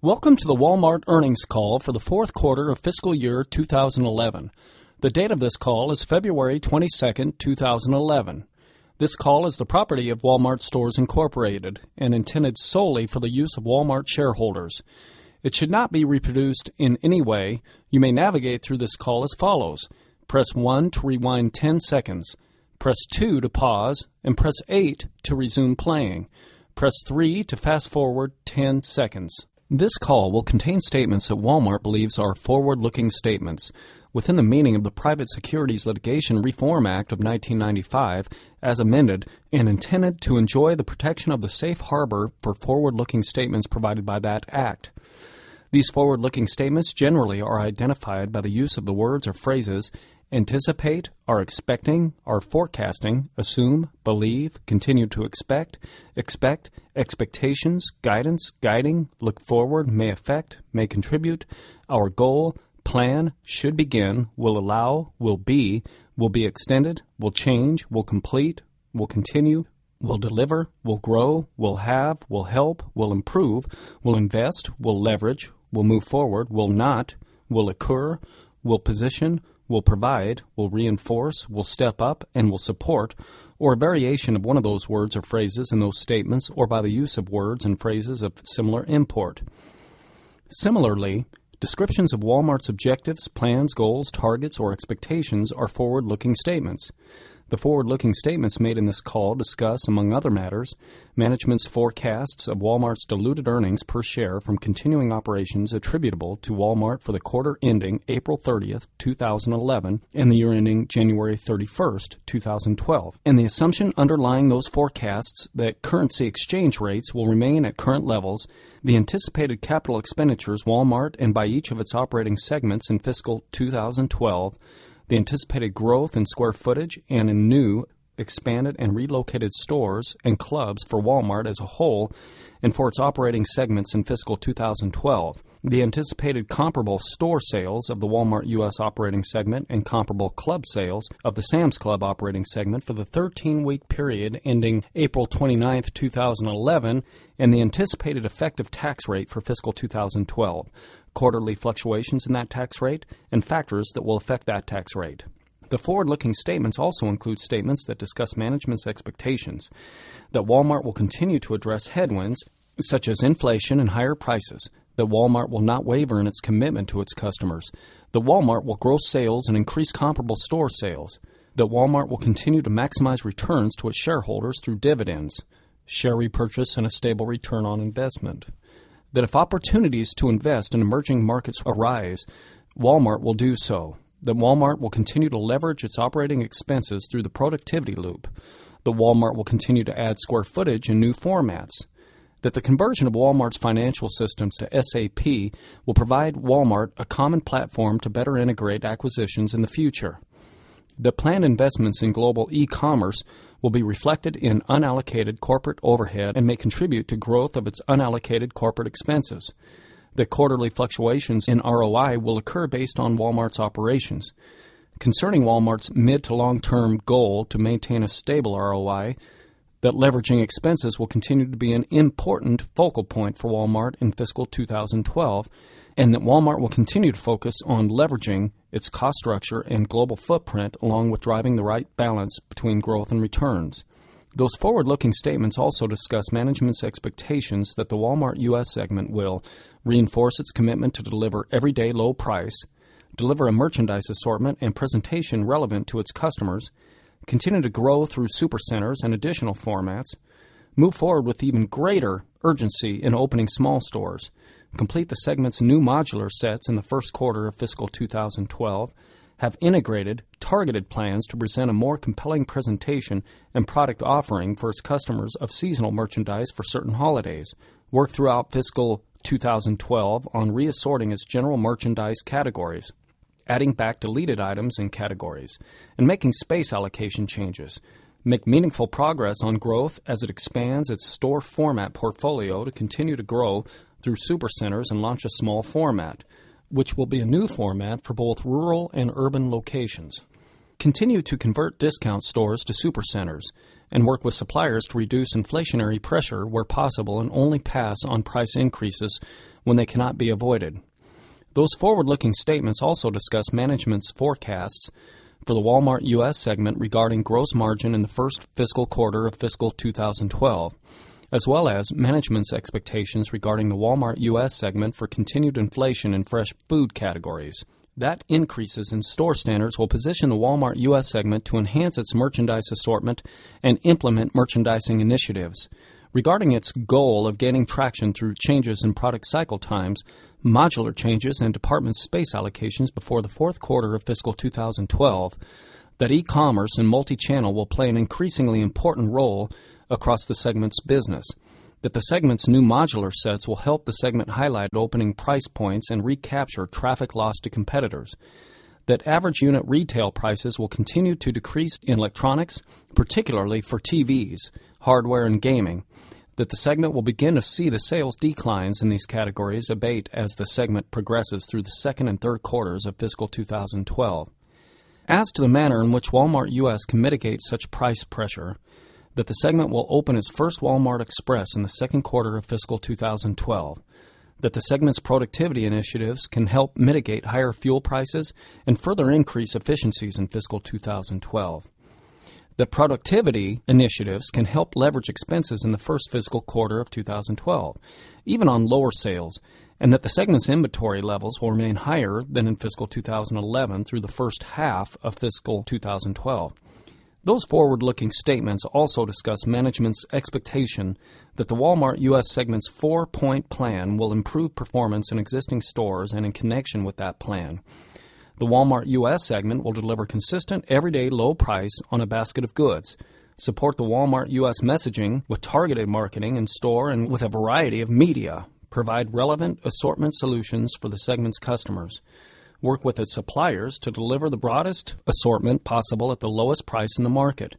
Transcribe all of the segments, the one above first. Welcome to the Walmart earnings call for the Q4 of fiscal year 2011. The date of this call is February 22, 2011. This call is the property of Walmart Stores Incorporated and intended solely for the use of Walmart shareholders. It should not be reproduced in any way. You may navigate through this call as follows. Press 1 to rewind 10 seconds. Press 2 to pause, and press 8 to resume playing. Press 3 to fast forward 10 seconds. This call will contain statements that Walmart believes are forward looking statements within the meaning of the Private Securities Litigation Reform Act of 1995 as amended and intended to enjoy the protection of the Safe Harbor for forward looking statements provided by that act. These forward looking statements generally are identified by the use of the words or phrases Anticipate, are expecting, are forecasting, assume, believe, continue to expect, expect, expectations, guidance, Guiding, look forward, may affect, may contribute, our goal, plan, should begin, will allow, will be, We'll be extended, we'll change, we'll complete, we'll continue, we'll deliver, we'll grow, we'll have, we'll help, we'll improve, We'll invest, we'll leverage, we'll move forward, we'll not, we'll occur, we'll position, we'll provide, we'll reinforce, we'll step up and we'll support or a variation of one of those words or phrases in those statements or by the use of words and phrases of similar import. Similarly, Descriptions of Walmart's objectives, plans, goals, targets or expectations are forward looking statements. The forward looking statements made in this call discuss, among other matters, Management's forecasts of Walmart's diluted earnings per share from continuing operations attributable to Walmart for the quarter ending April 30, 2011, and the year ending January 31, 2012. And the assumption underlying those forecasts that currency exchange rates will remain at current levels, The anticipated capital expenditures Walmart and by each of its operating segments in fiscal 2012, the anticipated growth in square footage and in new, Expanded and relocated stores and clubs for Walmart as a whole and for its operating segments in fiscal 2012, The anticipated comparable store sales of the Walmart U. S. Operating segment and comparable club sales of the Sam's Club operating segment for the 18 week period ending April 29, 2011, and the anticipated effective tax rate for fiscal 2012. Quarterly fluctuations in that tax rate and factors that will affect that tax rate. The forward looking statements also include statements that discuss management's expectations That Walmart will continue to address headwinds, such as inflation and higher prices, that Walmart will not waver in its commitment to its customers, that Walmart will grow sales and increase comparable store sales that Walmart will continue to maximize returns to its shareholders through dividends, share repurchase and a stable return on investment. That if opportunities to invest in emerging markets arise, Walmart will do so. That Walmart will continue to leverage its operating expenses through the productivity loop, that Walmart will continue to add square footage in new formats, that the conversion of Walmart's financial systems to SAP will provide Walmart a common platform to better integrate acquisitions in the future. The planned investments in globalecommerce will be reflected in unallocated corporate overhead and may contribute to growth of its unallocated corporate expenses. The quarterly fluctuations in ROI will occur based on Walmart's operations. Concerning Walmart's mid- to long term goal to maintain a stable ROI, that leveraging expenses will continue to be an important focal point for Walmart in fiscal 2012 and that Walmart will continue to focus on leveraging its cost structure and global footprint along with driving the right balance between growth and returns. Those forward looking statements also Management's expectations that the Walmart U. S. Segment will reinforce its commitment to deliver everyday low price, deliver a merchandise assortment and presentation relevant to its customers continue to grow through supercenters and additional formats Move forward with even greater urgency in opening small stores, complete the segment's new modular sets in the Q1 of fiscal 2012, have integrated targeted plans to present a more compelling presentation and product offering for its customers of seasonal merchandise for certain holidays, Work throughout fiscal 2012 on reassorting its general merchandise categories, adding back deleted items and categories and making space allocation changes, make meaningful progress on growth as it expands its store format portfolio to continue to grow through supercenters and launch a small format, which will be a new format for both rural and urban locations. Continue to convert discount stores to supercenters and work with suppliers to reduce inflationary pressure where possible and only pass on price increases when they cannot be avoided. Those forward looking statements also discuss management's forecasts for the Walmart U. S. Segment regarding gross margin in the 1st fiscal quarter of fiscal 2012, as well as management's expectations regarding the Walmart U. S. Segment for continued inflation in fresh food categories. That Increases in store standards will position the Walmart U. S. Segment to enhance its merchandise assortment and implement merchandising initiatives. Regarding its goal of gaining traction through changes in product cycle times, modular changes and department space allocations before the Q4 of fiscal 2012, that e commerce and multi channel will play an increasingly important role across the segment's business that the segment's new modular sets will help the segment highlight opening price and recapture traffic lost to competitors that average unit retail prices will continue to decrease in electronics, particularly for TVs, hardware and gaming, that the segment will begin to see the sales declines in these categories abate as the segment progresses through the 2nd 3rd quarters of fiscal 2012. As to the manner in which Walmart U. S. Can mitigate such price pressure, that the segment will open its 1st Walmart Express in the Q2 of fiscal 2012, that the segment's productivity initiatives can help mitigate higher fuel prices and further increase efficiencies in fiscal 2012. The productivity initiatives can help leverage expenses in the 1st fiscal quarter of 2012, even on lower sales, and that the segment's inventory levels will remain higher than in fiscal twenty eleven through the first half of fiscal twenty twelve. Those forward looking statements also discuss management's expectation that the Walmart U. S. Segment's 4 point plan will improve performance in existing stores and with that plan. The Walmart U. S. Segment will deliver consistent everyday low price on a basket of goods, support the Walmart US Messaging, with targeted marketing in store and with a variety of media, provide relevant assortment solutions for the segment's customers, Work with its suppliers to deliver the broadest assortment possible at the lowest price in the market,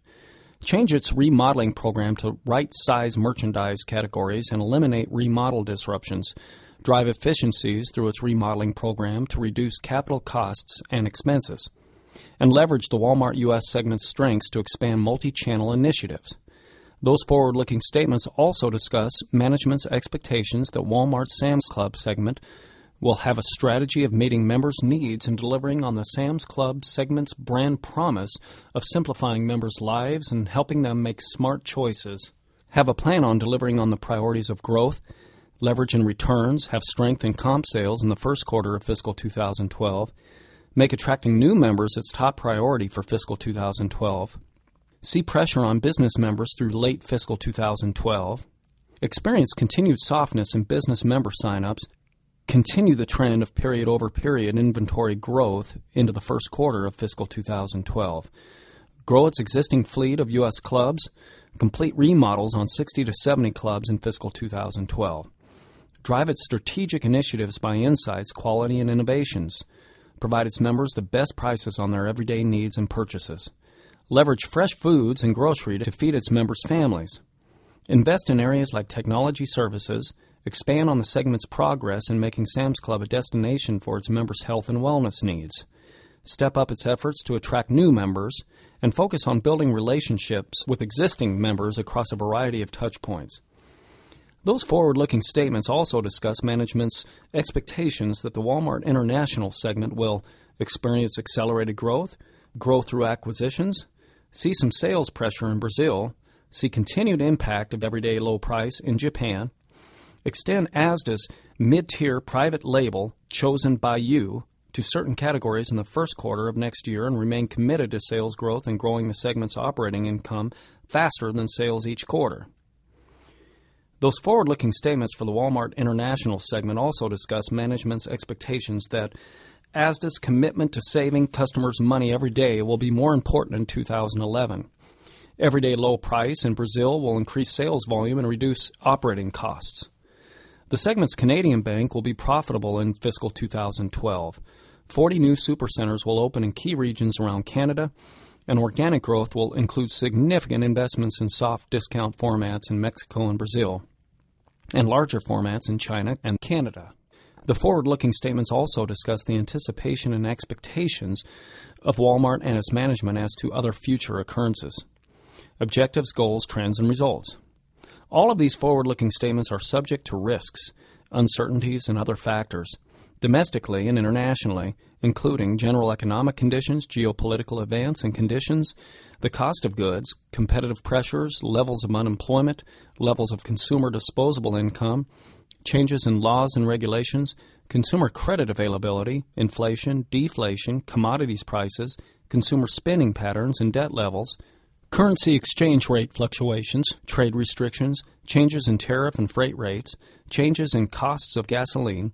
change its remodeling program to right Size merchandise categories and eliminate remodel disruptions, drive efficiencies through its remodeling program to reduce capital costs and expenses, and leverage the Walmart U. S. Segment's strengths to expand multichannel initiatives. Those forward looking statements also discuss management's expectations that Walmart Sam's Club segment will have a strategy of meeting members' needs and delivering on the Sam's Club segment's brand promise of simplifying members' lives and helping them make smart choices, have a plan on delivering on the priorities of growth, leverage and returns, have strength comp sales in the Q1 of fiscal 2012 make attracting new members its top priority for fiscal 2012 See pressure on business members through late fiscal 2012, experience continued softness in business member sign ups, Continue the trend of period over period inventory growth into the Q1 of fiscal 2012. Grow its existing fleet of U. S. Clubs, Complete remodels on 60 to 70 clubs in fiscal 2012. Drive its strategic initiatives by Insights, quality and innovations. Provide its members the best prices on their everyday needs and purchases. Leverage fresh foods and grocery to feed its members' families. Invest in areas like technology services, expand on the segment's progress in making Sam's Club a destination for its members' health and wellness needs, step up its efforts to attract new members and focus on building relationships with existing members across a variety of touch points. Those forward looking statements also discuss management's expectations that the Walmart International segment will experience accelerated growth, Grow through acquisitions, see some sales pressure in Brazil, see continued impact of everyday low price in Japan, Extend Asda's mid tier private label chosen by you to certain categories in the Q1 of next year and remain committed to sales growth and growing the segment's operating income faster than sales each quarter. Those forward looking statements for the Walmart International segment also discuss management's expectations that ASDA's commitment to saving customers money every day will be more important in 2011. Everyday low price in Brazil will increase sales volume and reduce Operating costs. The segment's Canadian bank will be profitable in fiscal 2012. 40 new supercenters will open in key regions around Canada, and organic growth will include significant investments in soft discount formats in Mexico and Brazil and larger formats in China and Canada. The forward looking statements also discuss the anticipation and expectations of Walmart and its management as to other future occurrences, objectives, goals, trends and results. All of these forward looking statements are subject to risks, uncertainties and other factors, domestically and internationally, including general economic conditions, geopolitical events and conditions, the cost of goods, competitive pressures, levels of unemployment, Levels of consumer disposable income, changes in laws and regulations, consumer credit availability, inflation, deflation, commodities prices, consumer spending patterns and debt levels currency exchange rate fluctuations trade restrictions changes in tariff and freight rates Changes in costs of gasoline,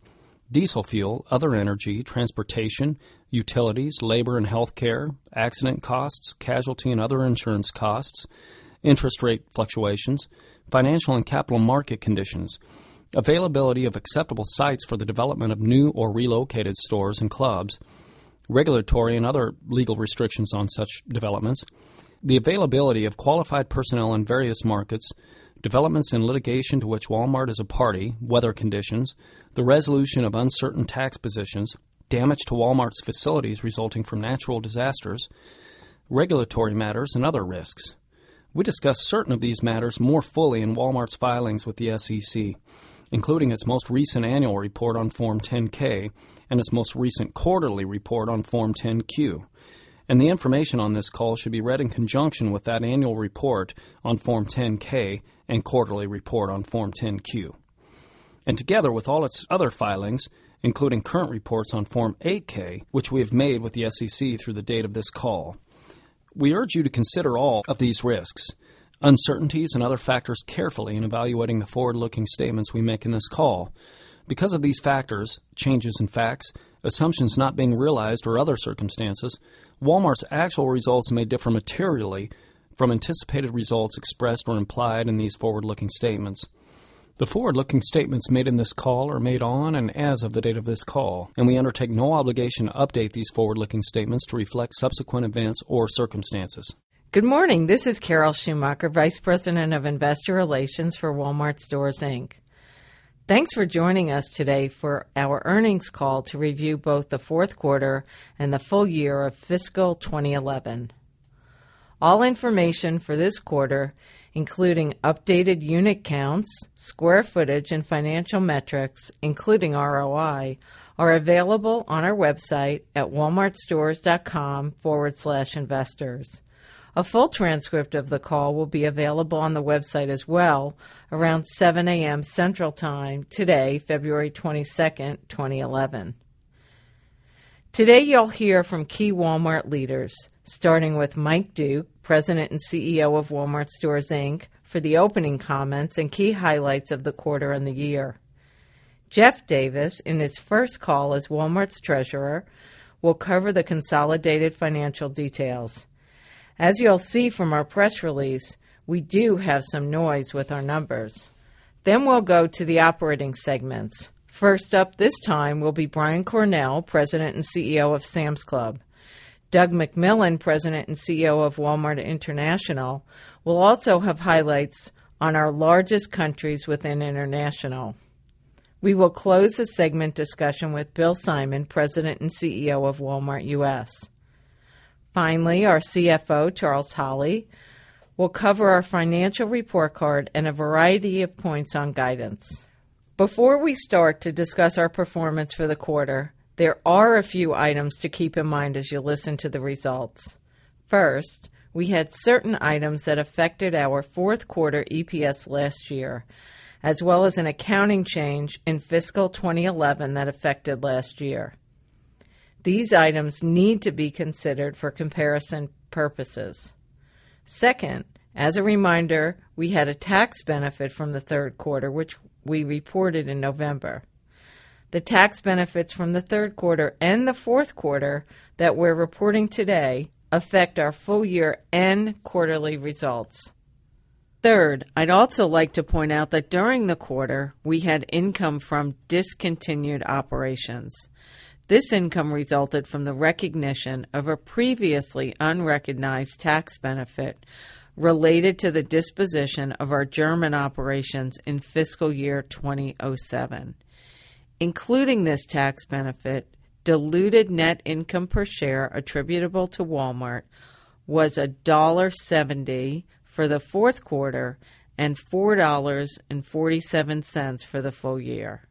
diesel fuel, other energy, transportation, utilities, labor and health care, accident costs, casualty and other insurance costs interest rate fluctuations financial and capital market conditions availability of sites for the development of new or relocated stores and clubs, regulatory and other legal restrictions on such developments, The availability of qualified personnel in various markets, developments in litigation to which Walmart is a party, weather conditions, the resolution of uncertain tax positions, damage to Walmart's facilities resulting from natural disasters, regulatory matters and other risks. We discuss certain of these matters more fully in Walmart's filings with the SEC, including its most recent annual report on Form 10 ks and its most recent quarterly report on Form 10 Q, and the information on this call should be read in conjunction with that annual report on Form 10 ks and quarterly report on Form 10 Q. And together with all its other filings, including current reports on Form 8 ks, which we have made with the SEC through the date of this call, We urge you to consider all of these risks, uncertainties and other factors carefully in evaluating the forward looking statements we make in this call. Because of these factors, changes in facts, assumptions not being realized or other circumstances, Walmart's actual results may differ materially from anticipated results expressed or implied in these forward looking statements. The forward looking statements made in this call are made on and as of the date of this Good morning. This is Carol Schumacher, Vice President of Investor Relations for Walmart Stores Inc. Thanks for joining us today for Our earnings call to review both the Q4 and the full year of fiscal 2011. All information for this quarter, Including updated unit counts, square footage and financial metrics, including ROI, are available on our website at walmart stores.com/investors. A full transcript of the call will be available on the website as well Around 7 a. M. Central Time today, February 22, 2011. Today, you'll hear from key Walmart leaders, Starting with Mike Duke, President and CEO of Walmart Stores Inc, for the opening comments and key highlights of the quarter and the year. Jeff Davis, in his first call as Walmart's Treasurer, will cover the consolidated financial details. As you'll see from our press release, we do have some noise with our numbers. Then we'll go to the operating segments. First up this time will be Brian Cornell, President and CEO of Sam's Club Doug McMillan, President and CEO of Walmart International, We'll also have highlights on our largest countries within international. We will close the segment discussion with Bill Simon, President and CEO of Walmart U. S. Finally, our CFO, Charles Holly, will cover our financial report card and a variety of points on guidance. Before we start to discuss our performance for the quarter, there are a few items to keep in mind as you listen to the results. First, we had certain items that affected our 4th quarter EPS last year, as well as an accounting change in Fiscal 2011 that affected last year. These items need to be considered for comparison purposes. 2nd, As a reminder, we had a tax benefit from the 3rd quarter, which we reported in November. The tax benefits from the 3rd quarter and the 4th Quarter that we're reporting today affect our full year and quarterly results. 3rd, I'd also like to point out that during the quarter, we had income from discontinued operations. This income resulted from the recognition of a previously unrecognized tax benefit related to the disposition of our German operations in fiscal year 2,007. Including this tax benefit, diluted net income per share attributable to Walmart was 1.70 For the Q4 $4.47 for the full year.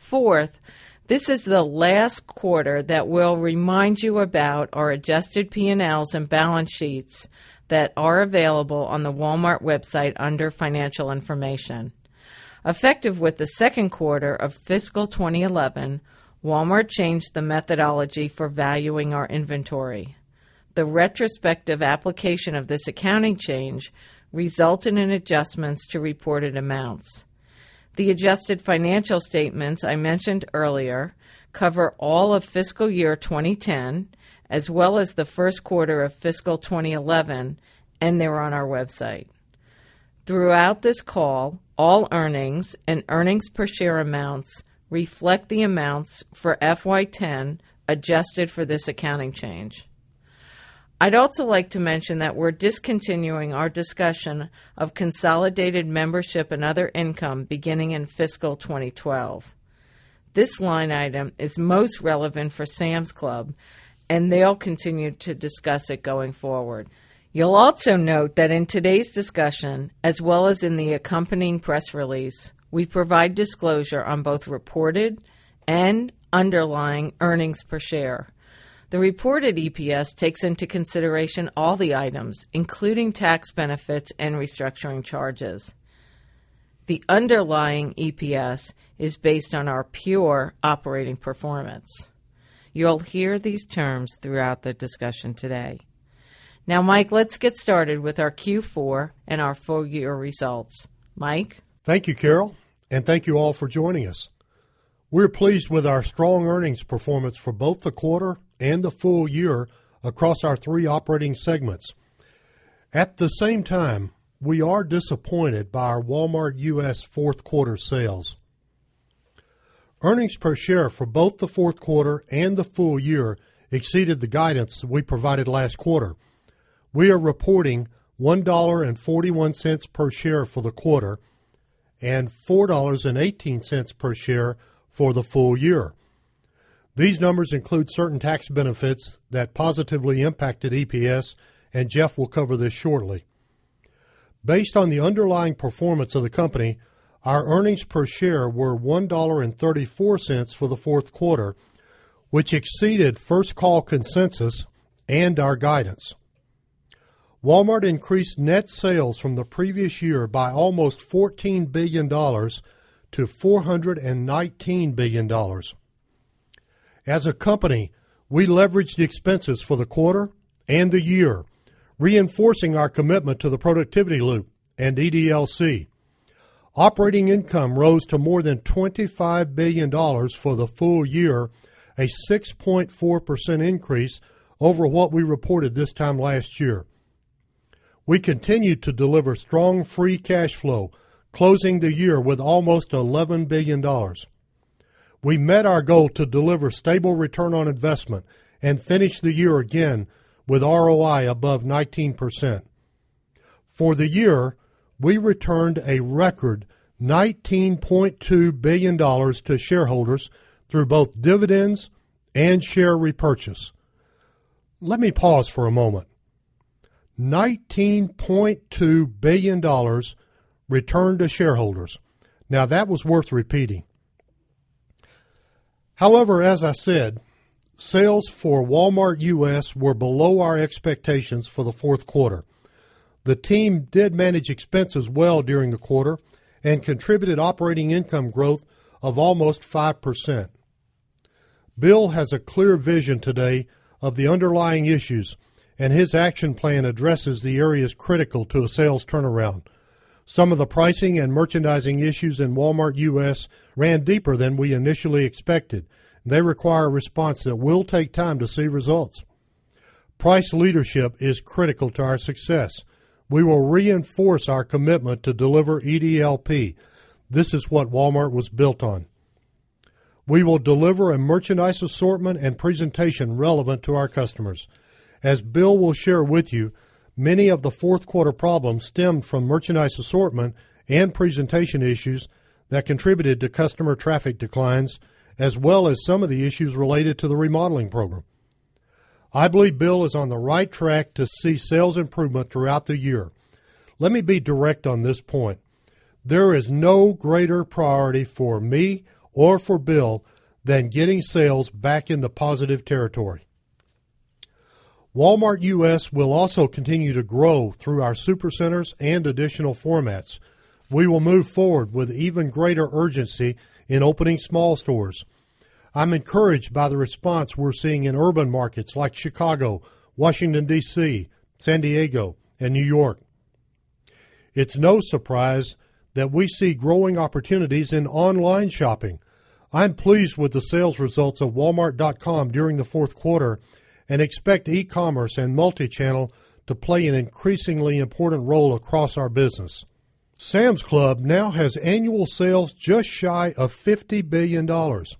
4th, This is the last quarter that will remind you about our adjusted P and Ls and balance sheets that are available on the Walmart website under Financial Information. Effective with the Q2 of fiscal 2011, Walmart changed the methodology for valuing our inventory. The retrospective application of this accounting change resulted in adjustments to reported amounts. The adjusted financial statements I mentioned earlier Cover all of fiscal year 2010 as well as the Q1 of fiscal 2011 and they're on our website. Throughout this call, all earnings and earnings per share amounts reflect the amounts for FY 'ten adjusted for this accounting change. I'd also like to mention that we're discontinuing our discussion of consolidated membership and other income beginning in fiscal 2012. This line item is most relevant for Sam's Club, And they'll continue to discuss it going forward. You'll also note that in today's discussion as well as in the accompanying press release, We provide disclosure on both reported and underlying earnings per share. The reported EPS takes into consideration all the items, including tax benefits and restructuring charges. The underlying EPS is based on our pure operating performance. You'll hear these terms throughout the discussion today. Now, Mike, let's get started with our Q4 and our full year results. Mike? Thank you, Carol, and thank you all for joining us. We're pleased with our strong earnings performance for both the quarter and the full year Across our 3 operating segments, at the same time, we are disappointed by our Walmart U. S. 4th quarter sales. Earnings per share for both the Q4 and the full year exceeded the guidance we provided last quarter. We are reporting $1.41 per share for the quarter $4.18 per share for the full year. These numbers include certain tax benefits that positively impacted EPS and Jeff will cover this shortly. Based on the underlying performance of the company, our earnings per share were $1.34 for the 4th quarter, Which exceeded first call consensus and our guidance. Walmart increased net sales from the previous year by almost $14,000,000,000 to $419,000,000,000 As a company, We leveraged expenses for the quarter and the year, reinforcing our commitment to the productivity loop and EDLC. Operating income rose to more than $25,000,000,000 for the full year, a 6.4% increase Over what we reported this time last year, we continue to deliver strong free cash flow, closing the year with almost $11,000,000,000 We met our goal to deliver stable return on investment and finish the year again with ROI above 19%. For the year, we returned a record $19,200,000,000 to shareholders through both dividends And share repurchase. Let me pause for a moment. Dollars 19,200,000,000 Return to shareholders. Now that was worth repeating. However, as I said, Sales for Walmart U. S. Were below our expectations for the Q4. The team did manage expenses well during the quarter And contributed operating income growth of almost 5%. Bill has a clear vision today Of the underlying issues and his action plan addresses the areas critical to a sales turnaround. Some of the pricing and merchandising issues in Walmart US Ran deeper than we initially expected. They require a response that will take time to see results. Price leadership is critical to our success. We will reinforce our commitment to deliver EDLP. This is what Walmart was built on. We will deliver a merchandise assortment and presentation relevant to our customers. As Bill will share with you, many of the 4th quarter problems stemmed from merchandise assortment and presentation issues that contributed to customer traffic declines as well as some of the issues related to the remodeling program. I believe Bill is on the right track to see sales improvement throughout the year. Let me be direct on this point. There is no greater priority for me or for Bill than getting sales back into positive territory. Walmart U. S. Will also continue to grow through our supercenters and additional formats. We will move forward with even greater urgency In opening small stores, I'm encouraged by the response we're seeing in urban markets like Chicago, Washington DC, San Diego and New York. It's no surprise that we see growing opportunities in online shopping. I'm pleased with the sales results of wal .com during the Q4 and expect e commerce and multi channel to play an increasingly important role across our business. Sam's Club now has annual sales just shy of $50,000,000,000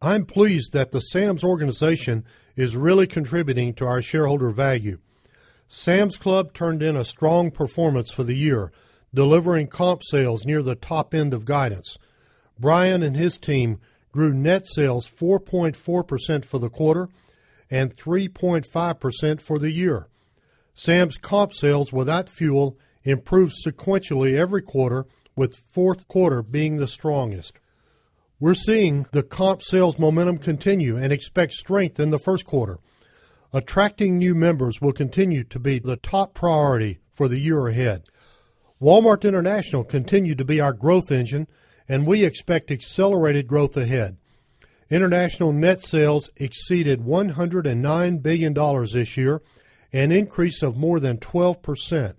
I'm pleased that the Sam's organization Is really contributing to our shareholder value. Sam's Club turned in a strong performance for the year, delivering comp sales near the top end of guidance. Brian and his team grew net sales 4.4% for the quarter and 3.5% for the year. Sam's comp sales without fuel improved sequentially every quarter with 4th quarter being the strongest. We're seeing the comp sales momentum continue and expect strength in the Q1. Attracting new members will continue to be the top priority For the year ahead, Walmart International continued to be our growth engine and we expect accelerated growth ahead. International net sales exceeded $109,000,000,000 this year, an increase of more than 12%.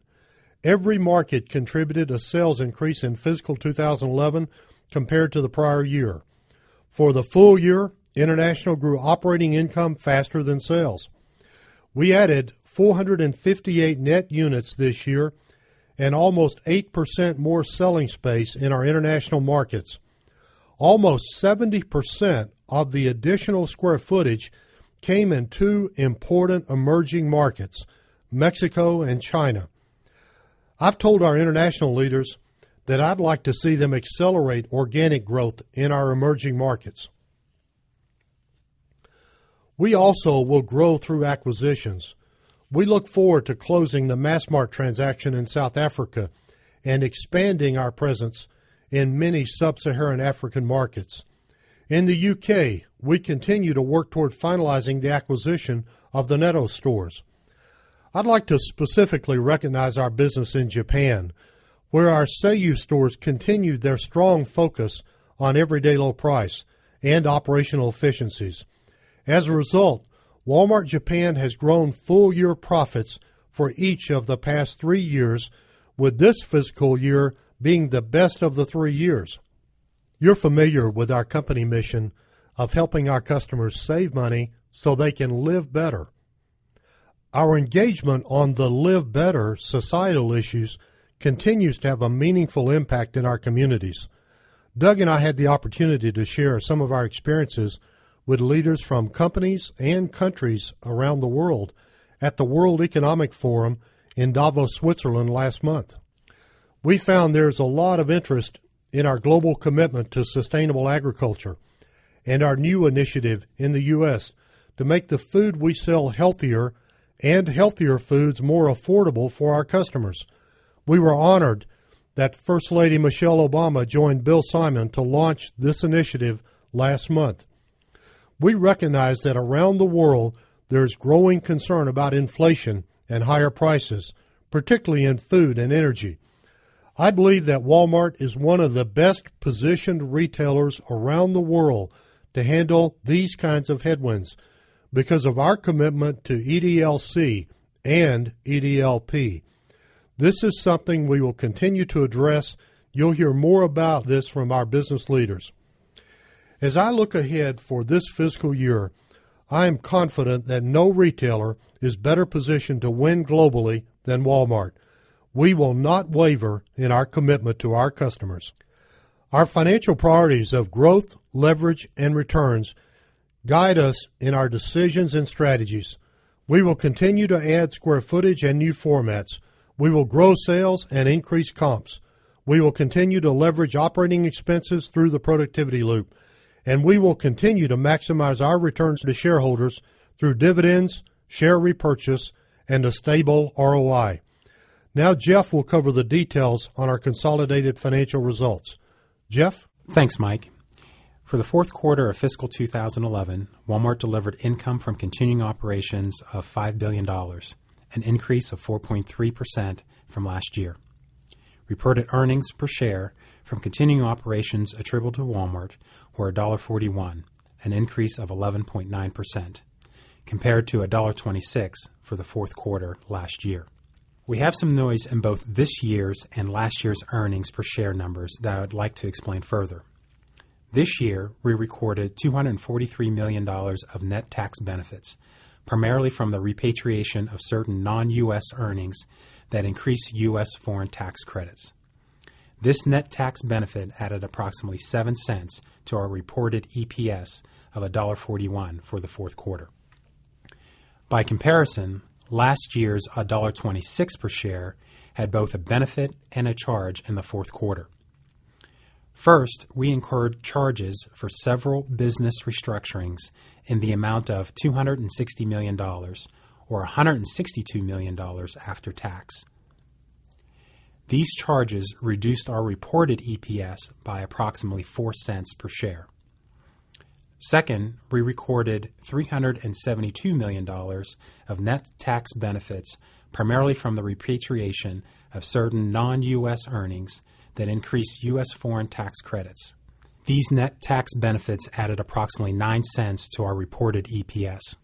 Every market contributed a sales increase in fiscal 2011 compared to the prior year. For the full year, International grew operating income faster than sales. We added 4 58 net units this year And almost 8% more selling space in our international markets. Almost 70% of the additional square footage Came in 2 important emerging markets, Mexico and China. I've told our international leaders That I'd like to see them accelerate organic growth in our emerging markets. We also will grow through acquisitions. We look forward to closing the Massmart transaction in South Africa and expanding our presence in many sub Saharan African markets. In the UK, we continue to work toward finalizing the acquisition of the Nettos stores. I'd like to specifically recognize our business in Japan, Where our seiyu stores continued their strong focus on everyday low price and operational efficiencies. As a result, Walmart Japan has grown full year profits for each of the past 3 years with this fiscal year Being the best of the 3 years, you're familiar with our company mission of helping our customers save money so they can live better. Our engagement on the Live Better societal issues continues to have a meaningful impact in our communities. Doug and I had the opportunity to share some of our experiences with leaders from companies and countries around the world at the World Economic Forum In Davos, Switzerland last month, we found there's a lot of interest in our global commitment to sustainable agriculture And our new initiative in the US to make the food we sell healthier and healthier foods more affordable for our customers. We were honored That First Lady Michelle Obama joined Bill Simon to launch this initiative last month. We recognize that around the world There is growing concern about inflation and higher prices, particularly in food and energy. I believe that Walmart is one of the best Positioned retailers around the world to handle these kinds of headwinds because of our commitment to EDLC And EDLP. This is something we will continue to address. You'll hear more about this from our business leaders. As I look ahead for this fiscal year, I am confident that no retailer is better positioned to win globally than Walmart. We will not waver in our commitment to our customers. Our financial priorities of growth, leverage and returns Guide us in our decisions and strategies. We will continue to add square footage and new formats. We will grow sales and increase comps. We will continue to leverage operating expenses through the productivity loop and we will continue to maximize our returns to shareholders Through dividends, share repurchase and a stable ROI. Now Jeff will cover the details on our consolidated financial results. Jeff? Thanks, Mike. For the Q4 of fiscal 2011, Walmart delivered income from continuing operations of $5,000,000,000 An increase of 4.3% from last year. Reported earnings per share from continuing operations attributable to Walmart were $1.41 An increase of 11.9% compared to a dollar 26 for the Q4 last year. We have some noise in both this year's And last year's earnings per share numbers that I would like to explain further. This year, we recorded $243,000,000 of net tax benefits, Primarily from the repatriation of certain non US earnings that increase US foreign tax credits. This net tax benefit added approximately 0.7¢ to our reported EPS of a dollar 41 for the 4th quarter. By comparison, last year's $1.26 per share had both a benefit and a charge in the 4th quarter. First, we incurred charges for several business restructurings in the amount of $260,000,000 or $162,000,000 after tax. These charges reduced our reported EPS by approximately 4¢ per share. 2nd, we recorded $372,000,000 of net tax benefits, primarily from the repatriation of certain non US earnings that increased US foreign tax credits. These net tax benefits added approximately $0.09 to our reported EPS.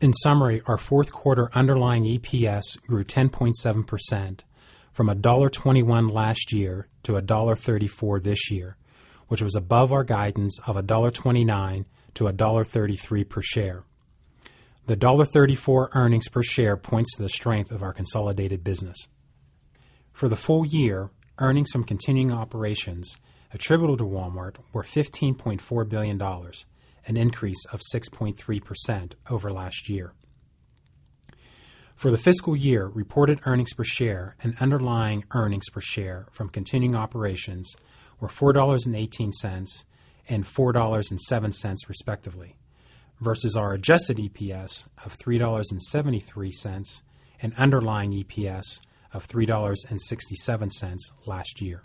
In summary, our Q4 underlying EPS grew 10.7 percent from $1.21 last year to $1.34 this year, which was above our guidance of $1.29 to $1.33 per share. The dollar $0.34 earnings per share points to the strength of our consolidated business. For the full year, earnings from continuing operations attributable to Walmart were $15,400,000,000 an increase of 6.3% over last year. For the fiscal year, reported earnings per share And underlying earnings per share from continuing operations were $4.18 $4.07 respectively, versus our adjusted EPS of $3.73 and underlying EPS of $3.67 last year.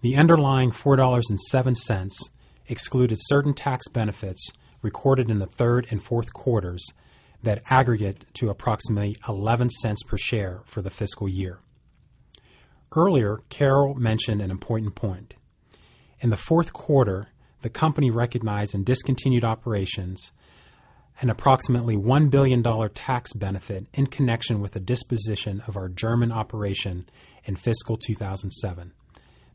The underlying $4.07 excluded certain tax benefits recorded in the 3rd 4th quarters That aggregate to approximately $0.11 per share for the fiscal year. Earlier, Carol mentioned an important point. In the Q4, the company recognized and discontinued operations an approximately $1,000,000,000 tax benefit in connection with the disposition of our German operation in fiscal 2007.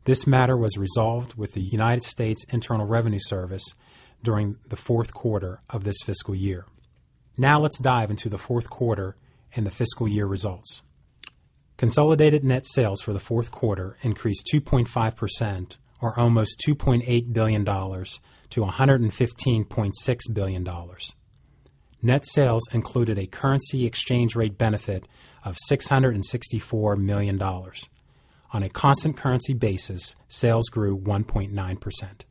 This matter was resolved with the United States Internal Revenue Service during the Q4 of this fiscal year. Now let's dive into the Q4 and the fiscal year results. Consolidated net sales for the Q4 increased 2.5 percent or almost $2,800,000,000 to $115,600,000,000 Net sales included a currency exchange rate benefit of $664,000,000 On a constant currency basis, sales grew 1.9%.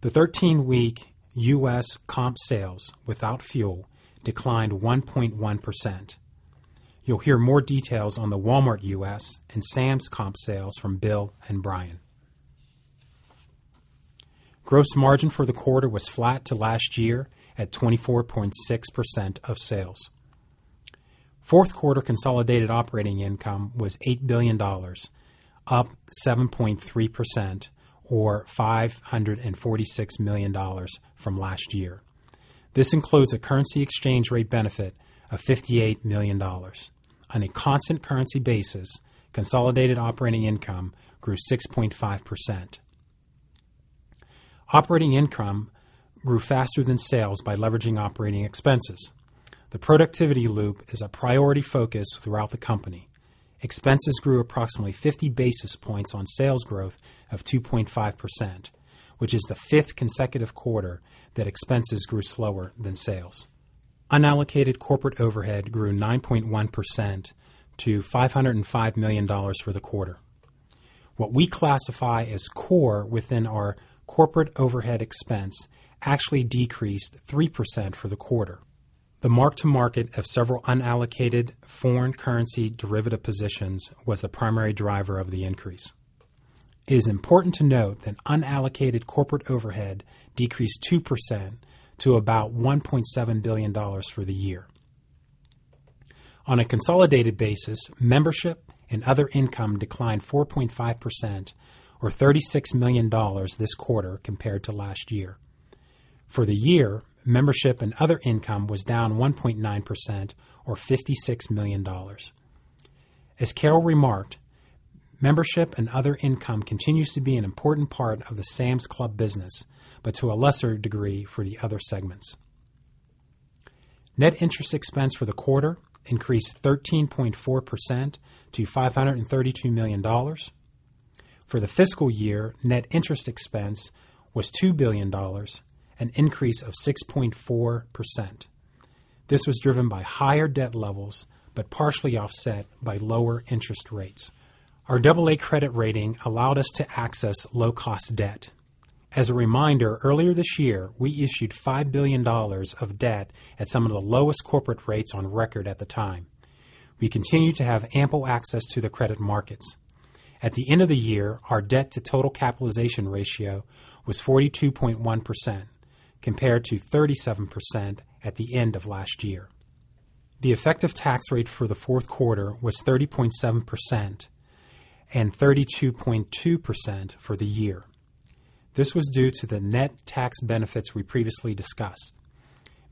The 13 week US comp sales without fuel Declined 1.1%. You'll hear more details on the Walmart US and Sam's comp sales from Bill and Brian. Gross margin for the quarter was flat to last year at 24.6 percent of sales. 4th quarter consolidated operating income was $8,000,000,000 up 7.3% or $546,000,000 from last year. This includes a currency exchange rate benefit of $58,000,000 On a constant currency basis, Consolidated operating income grew 6.5%. Operating income grew faster than sales by leveraging operating expenses. The productivity loop is a priority focus throughout the company. Expenses grew approximately 50 basis points on sales growth of 2.5%, which is the 5th consecutive quarter that expenses grew slower than sales. Unallocated corporate overhead grew 9.1% to $505,000,000 for the quarter. What we classify as core within our corporate overhead expense actually decreased 3% for the quarter. The mark to market of several unallocated foreign currency derivative positions was the primary driver of the increase. It is important to note that unallocated corporate overhead decreased 2% to about $1,700,000,000 for the year. On a consolidated basis, membership and other income declined 4.5 percent or $36,000,000 this quarter compared to last year. For the year, membership and other income was down 1.9% or $56,000,000 As Carol remarked, membership and other income continues to be an important part of the Sam's Club business, but to a lesser degree, for the other segments. Net interest expense for the quarter increased 13.4 percent to $532,000,000 For the fiscal year, net interest expense was $2,000,000,000 an increase of 6.4%. This was driven by higher debt levels, but partially offset by lower interest rates. Our double a credit rating allowed us to access low cost debt. As a reminder, earlier this year, we issued $5,000,000,000 of debt at some of the lowest corporate rates on record at the time. We continue to have ample access to the credit markets. At the end of the year, our debt to total capitalization ratio was 42.1% compared to 37% at the end of last year. The effective tax rate for the Q4 was 30.7% and 32.2 percent for the year. This was due to the net tax benefits we previously discussed.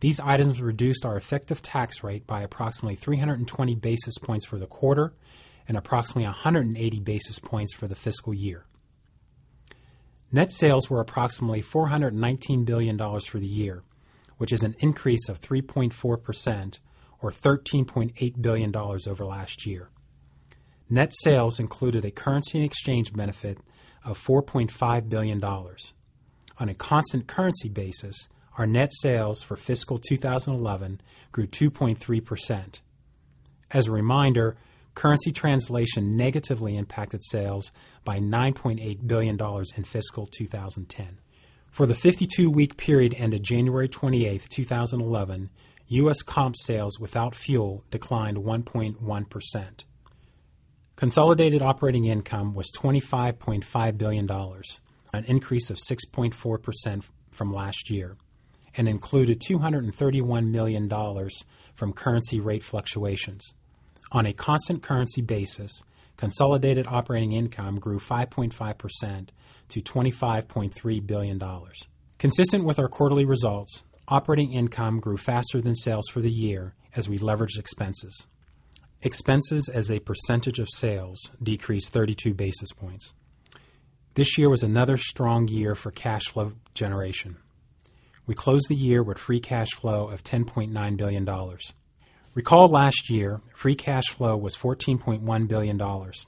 These items reduced our effective tax rate by approximately 320 basis points for the quarter and approximately 180 basis points for the fiscal year. Net sales were approximately $419,000,000,000 for the year, which is an increase of 3.4% or $13,800,000,000 over last year. Net sales included a currency and exchange benefit of $4,500,000,000 On a constant currency basis, our net sales for fiscal 2011 grew 2.3%. As a reminder, currency translation negatively impacted sales by $9,800,000,000 in fiscal 2010. For the 52 week period ended January 28, 2011, US comp sales without fuel declined 1.1%. Consolidated operating income was $25,500,000,000 an increase of 6.4% from last year and included $231,000,000 from currency rate fluctuations. On a constant currency basis, Consolidated operating income grew 5.5 percent to $25,300,000,000 Consistent with our quarterly results, Operating income grew faster than sales for the year as we leveraged expenses. Expenses as a percentage of sales decreased 32 basis points. This year was another strong year for cash flow generation. We closed the year with free cash flow of $10,900,000,000 Recall last year, free cash flow was $14,100,000,000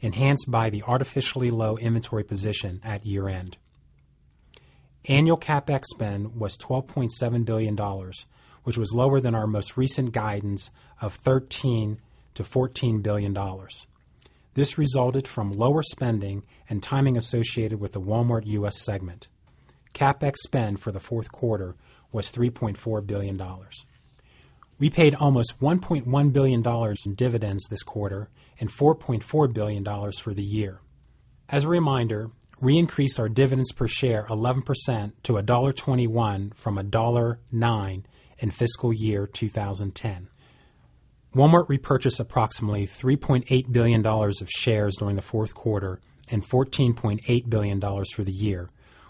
enhanced by the artificially low inventory position at year end. Annual CapEx spend was $12,700,000,000 which was lower than our most recent guidance of 13 to $14,000,000,000 This resulted from lower spending and timing associated with the Walmart U. S. Segment. CapEx spend for the Q4 was $3,400,000,000 We paid almost $1,100,000,000 in dividends this quarter and $4,400,000,000 for the year. As a reminder, we increased our dividends per share 11% to $1.21 from $1.09 and fiscal year 2010. Walmart repurchased approximately $3,800,000,000 of shares during the 4th quarter and $14,800,000,000 for the year,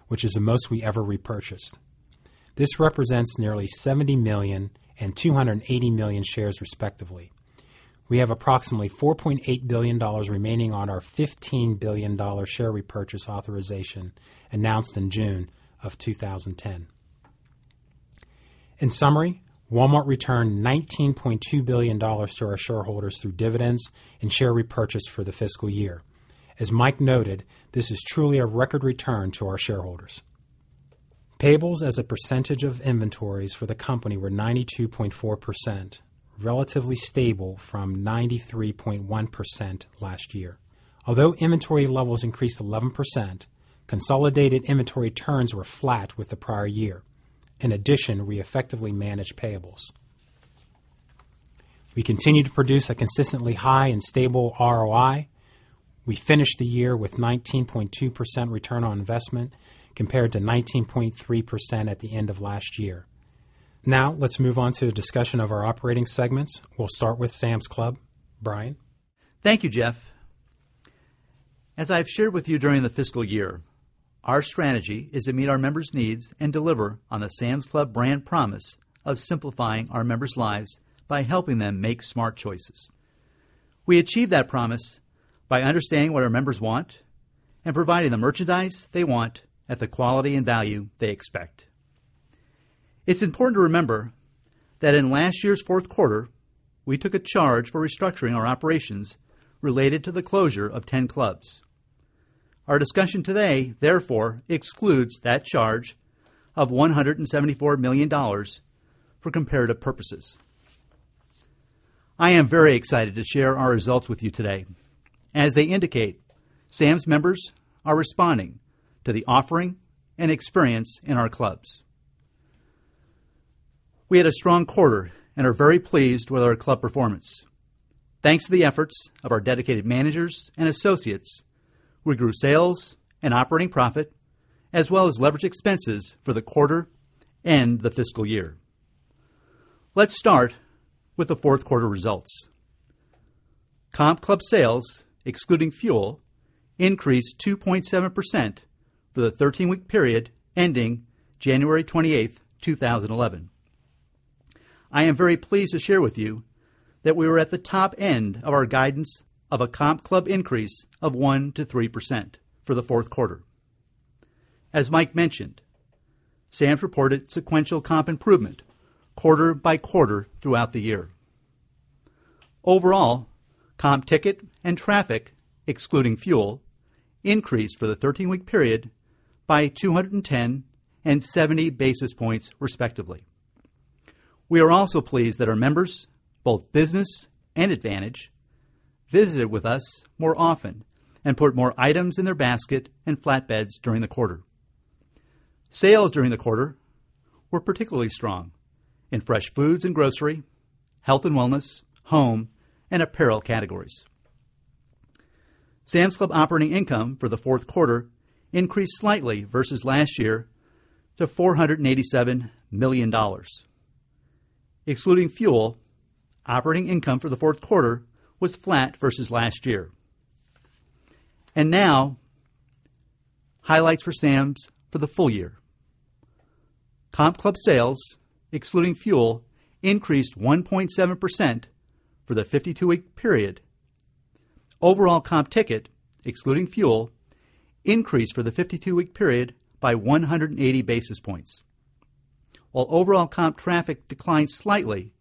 which is the most we ever repurchased. This represents nearly 70,000,000 and 280,000,000 shares respectively. We have approximately $4,800,000,000 remaining on our $15,000,000,000 share repurchase authorization announced in June of 2010. In summary, Walmart returned $19,200,000,000 to our shareholders through dividends And share repurchase for the fiscal year. As Mike noted, this is truly a record return to our shareholders. Payables as a percentage of inventories for the company were 92.4%, relatively stable from 93.1% last year. Although inventory levels increased 11%, consolidated inventory turns were flat with the prior year. In addition, we effectively managed payables. We continue to produce a consistently high and stable ROI. We finished the year with 19.2% return on investment compared to 19.3% at the end of last year. Now let's move on to a discussion of our operating segments. We'll start with Sam's Club. Brian? Thank you, Jeff. As I have shared with you during the fiscal year, our strategy is to meet our members' needs and deliver on the Sam's Club brand promise of simplifying our members' lives by helping them make smart choices. We achieve that promise by understanding what our members want and providing the merchandise They want at the quality and value they expect. It's important to remember that in last year's Q4, We took a charge for restructuring our operations related to the closure of 10 clubs. Our discussion today, therefore, excludes that charge of $174,000,000 for comparative purposes. I am very excited to share our results with you today. As they indicate, Sam's members are responding to the offering and experience in our clubs. We had a strong quarter and are very pleased with our club performance. Thanks to the efforts of our dedicated managers and associates. We grew sales and operating profit as well as leverage expenses for the quarter and the fiscal year. Let's start with the 4th quarter results. Comp Club sales, excluding fuel, Increased 2.7 percent for the 13 week period ending January 28, 2011. I am very pleased to share with you that we were at the top end of our guidance of a comp club increase of 1% to 3% for the 4th quarter. As Mike mentioned, Sands reported sequential comp improvement quarter by quarter throughout the year. Overall, comp ticket and traffic, excluding fuel, increased for the 13 week period by 210 and 70 basis points, respectively. We are also pleased that our members, both business and Advantage, Visited with us more often and put more items in their basket and flatbeds during the quarter. Sales during the quarter were particularly strong In Fresh Foods and Grocery, Health and Wellness, Home and Apparel categories. Sam's Club operating income for the 4th quarter Increased slightly versus last year to $487,000,000 Excluding fuel, Operating income for the Q4 was flat versus last year. And now Highlights for Sam's for the full year. Comp Club sales, excluding fuel, increased 1.7% For the 52 week period, overall comp ticket, excluding fuel, increased for the 52 week period by 180 basis points. While overall comp traffic declined slightly,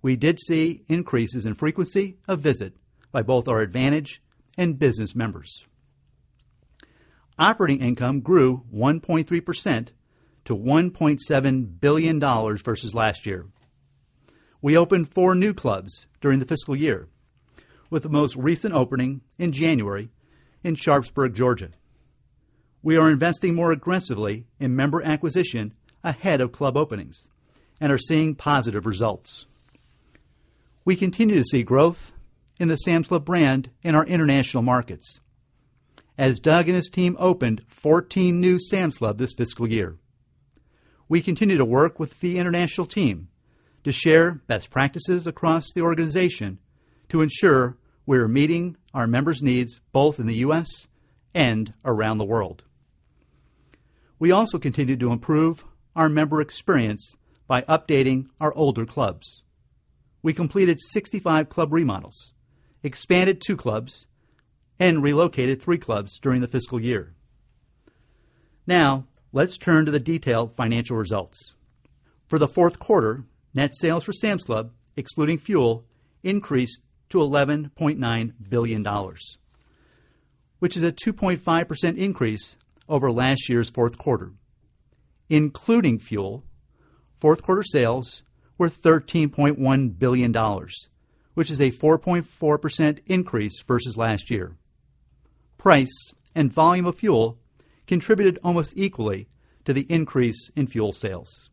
we did see increases in frequency of visit by both our advantage and business members. Operating income grew 1.3 percent to $1,700,000,000 versus last year. We opened 4 new clubs during the fiscal year, with the most recent opening in January in Sharpsburg, Georgia. We are investing more aggressively in member acquisition ahead of club openings and are seeing positive results. We continue to see growth in the Sam's Club brand in our international markets, as Doug and his team opened 14 new Sam's Club this fiscal year. We continue to work with the International team to share best practices across the organization to ensure We are meeting our members' needs both in the U. S. And around the world. We also continue to improve our member experience By updating our older clubs, we completed 65 club remodels, expanded 2 clubs And relocated 3 clubs during the fiscal year. Now let's turn to the detailed financial results. For the Q4, net sales for Sam's Club, excluding fuel, increased to $11,900,000,000 which is a 2.5% increase over last year's Q4. Including fuel, 4th quarter sales were $13,100,000,000 which is a 4.4% increase versus last year. Price and volume of fuel contributed almost equally to the increase in fuel sales.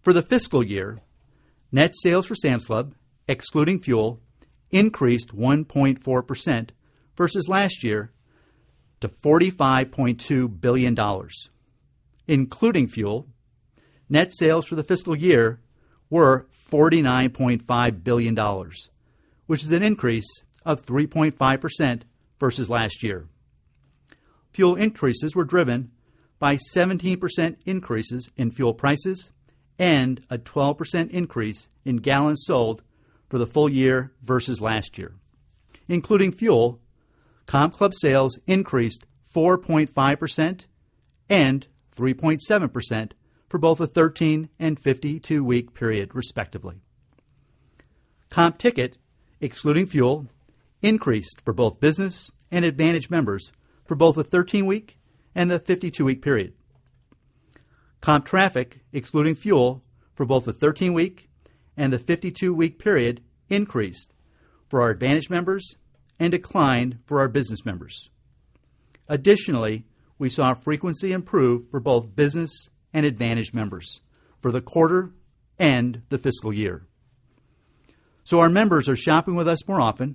For the fiscal year, net sales for Sam's Club, excluding fuel, increased 1.4% versus last year to $45,200,000,000 Including fuel, net sales for the fiscal year were $49,500,000,000 which is an increase of 3.5% versus last year. Fuel increases were driven by 17% increases in fuel prices and a 12% increase in gallons sold for the full year versus last year. Including fuel, Comm Club sales increased 4.5% and 3.7% for both a 13 52 week period, respectively. Comp ticket, excluding fuel, increased for both Business and Advantage members for both the 13 week and the 52 week period. Comp traffic, excluding fuel, for both the 13 week and the 52 week period increased For our Advantage members and declined for our business members. Additionally, we saw frequency improve for both business and Advantage members for the quarter and the fiscal year. So our members are shopping with us more often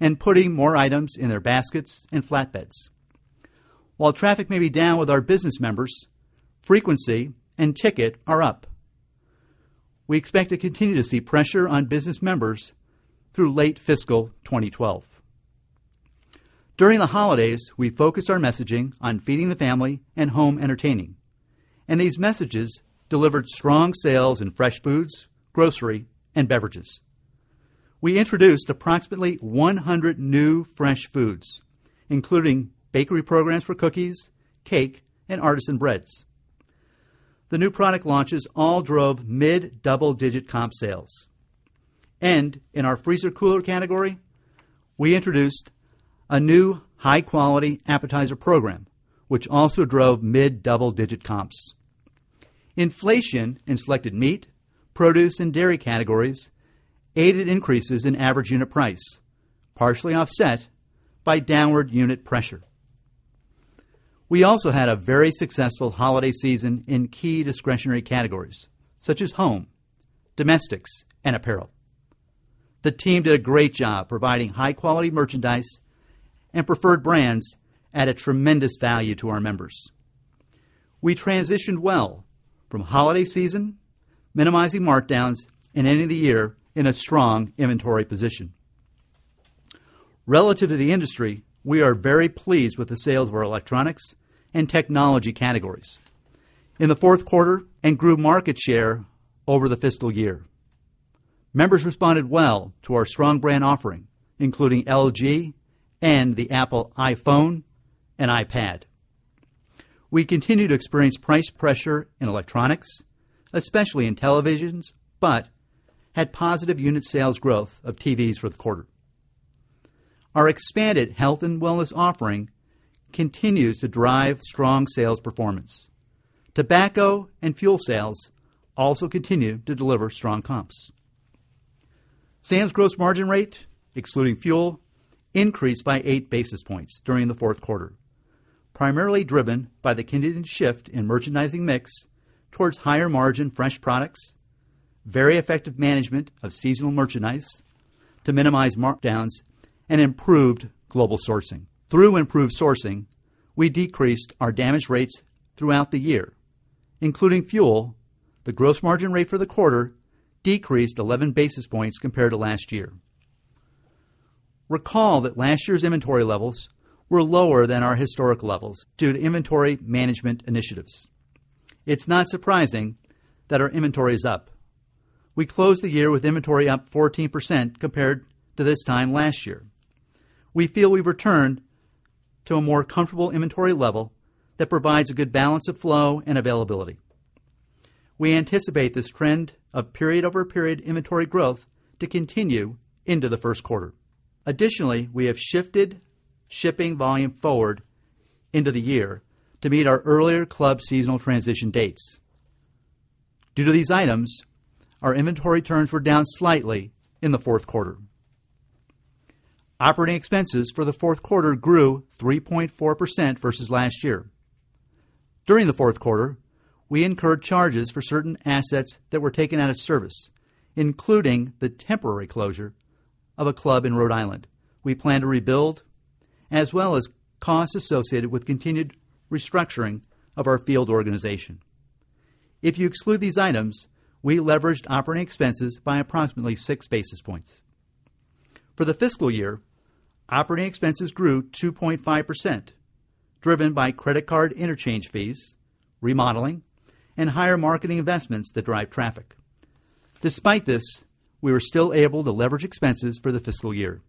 and putting more items in their baskets and flatbeds. While traffic may be down with our business members, frequency and ticket are up. We expect to continue to see pressure on business members Through late fiscal 2012. During the holidays, we focused our messaging on feeding the family and home entertaining. And these messages delivered strong sales in fresh foods, grocery and beverages. We introduced approximately 100 new fresh foods, including bakery programs for cookies, cake and artisan breads. The new product launches all drove mid double digit comp sales. And in our freezer cooler category, we introduced a new high quality appetizer program, which also drove mid double digit comps. Inflation in selected meat, produce and dairy categories Aided increases in average unit price, partially offset by downward unit pressure. We also had a very successful holiday season in key discretionary categories such as home, domestics And apparel. The team did a great job providing high quality merchandise and preferred brands at a tremendous value to our members. We transitioned well from holiday season, minimizing markdowns and ending the year in a strong inventory position. Relative to the industry, we are very pleased with the sales of our electronics and technology categories in the Q4 and grew market share Over the fiscal year, members responded well to our strong brand offering, including LG and the Apple iPhone And iPad. We continue to experience price pressure in electronics, especially in televisions, but Had positive unit sales growth of TVs for the quarter. Our expanded health and wellness offering Continues to drive strong sales performance. Tobacco and fuel sales also continued to deliver strong comps. Sam's gross margin rate, excluding fuel, increased by 8 basis points during the 4th quarter, Primarily driven by the contingent shift in merchandising mix towards higher margin fresh products, very effective management of seasonal merchandise To minimize markdowns and improved global sourcing. Through improved sourcing, we decreased our damage rates throughout the year. Including fuel, the gross margin rate for the quarter decreased 11 basis points compared to last year. Recall that last year's inventory levels were lower than our historical levels due to inventory management initiatives. It's not surprising That our inventory is up. We closed the year with inventory up 14% compared to this time last year. We feel we've returned To a more comfortable inventory level that provides a good balance of flow and availability. We anticipate this trend of period over period inventory growth To continue into the Q1. Additionally, we have shifted shipping volume forward into the year To meet our earlier club seasonal transition dates. Due to these items, our inventory turns were down slightly in the 4th quarter. Operating expenses for the Q4 grew 3.4% versus last year. During the Q4, We incurred charges for certain assets that were taken out of service, including the temporary closure of a club in Rhode Island. We plan to rebuild As well as costs associated with continued restructuring of our field organization. If you exclude these items, We leveraged operating expenses by approximately 6 basis points. For the fiscal year, operating expenses grew 2.5%, driven by credit card interchange fees, remodeling and higher marketing investments that drive traffic. Despite this, We were still able to leverage expenses for the fiscal year.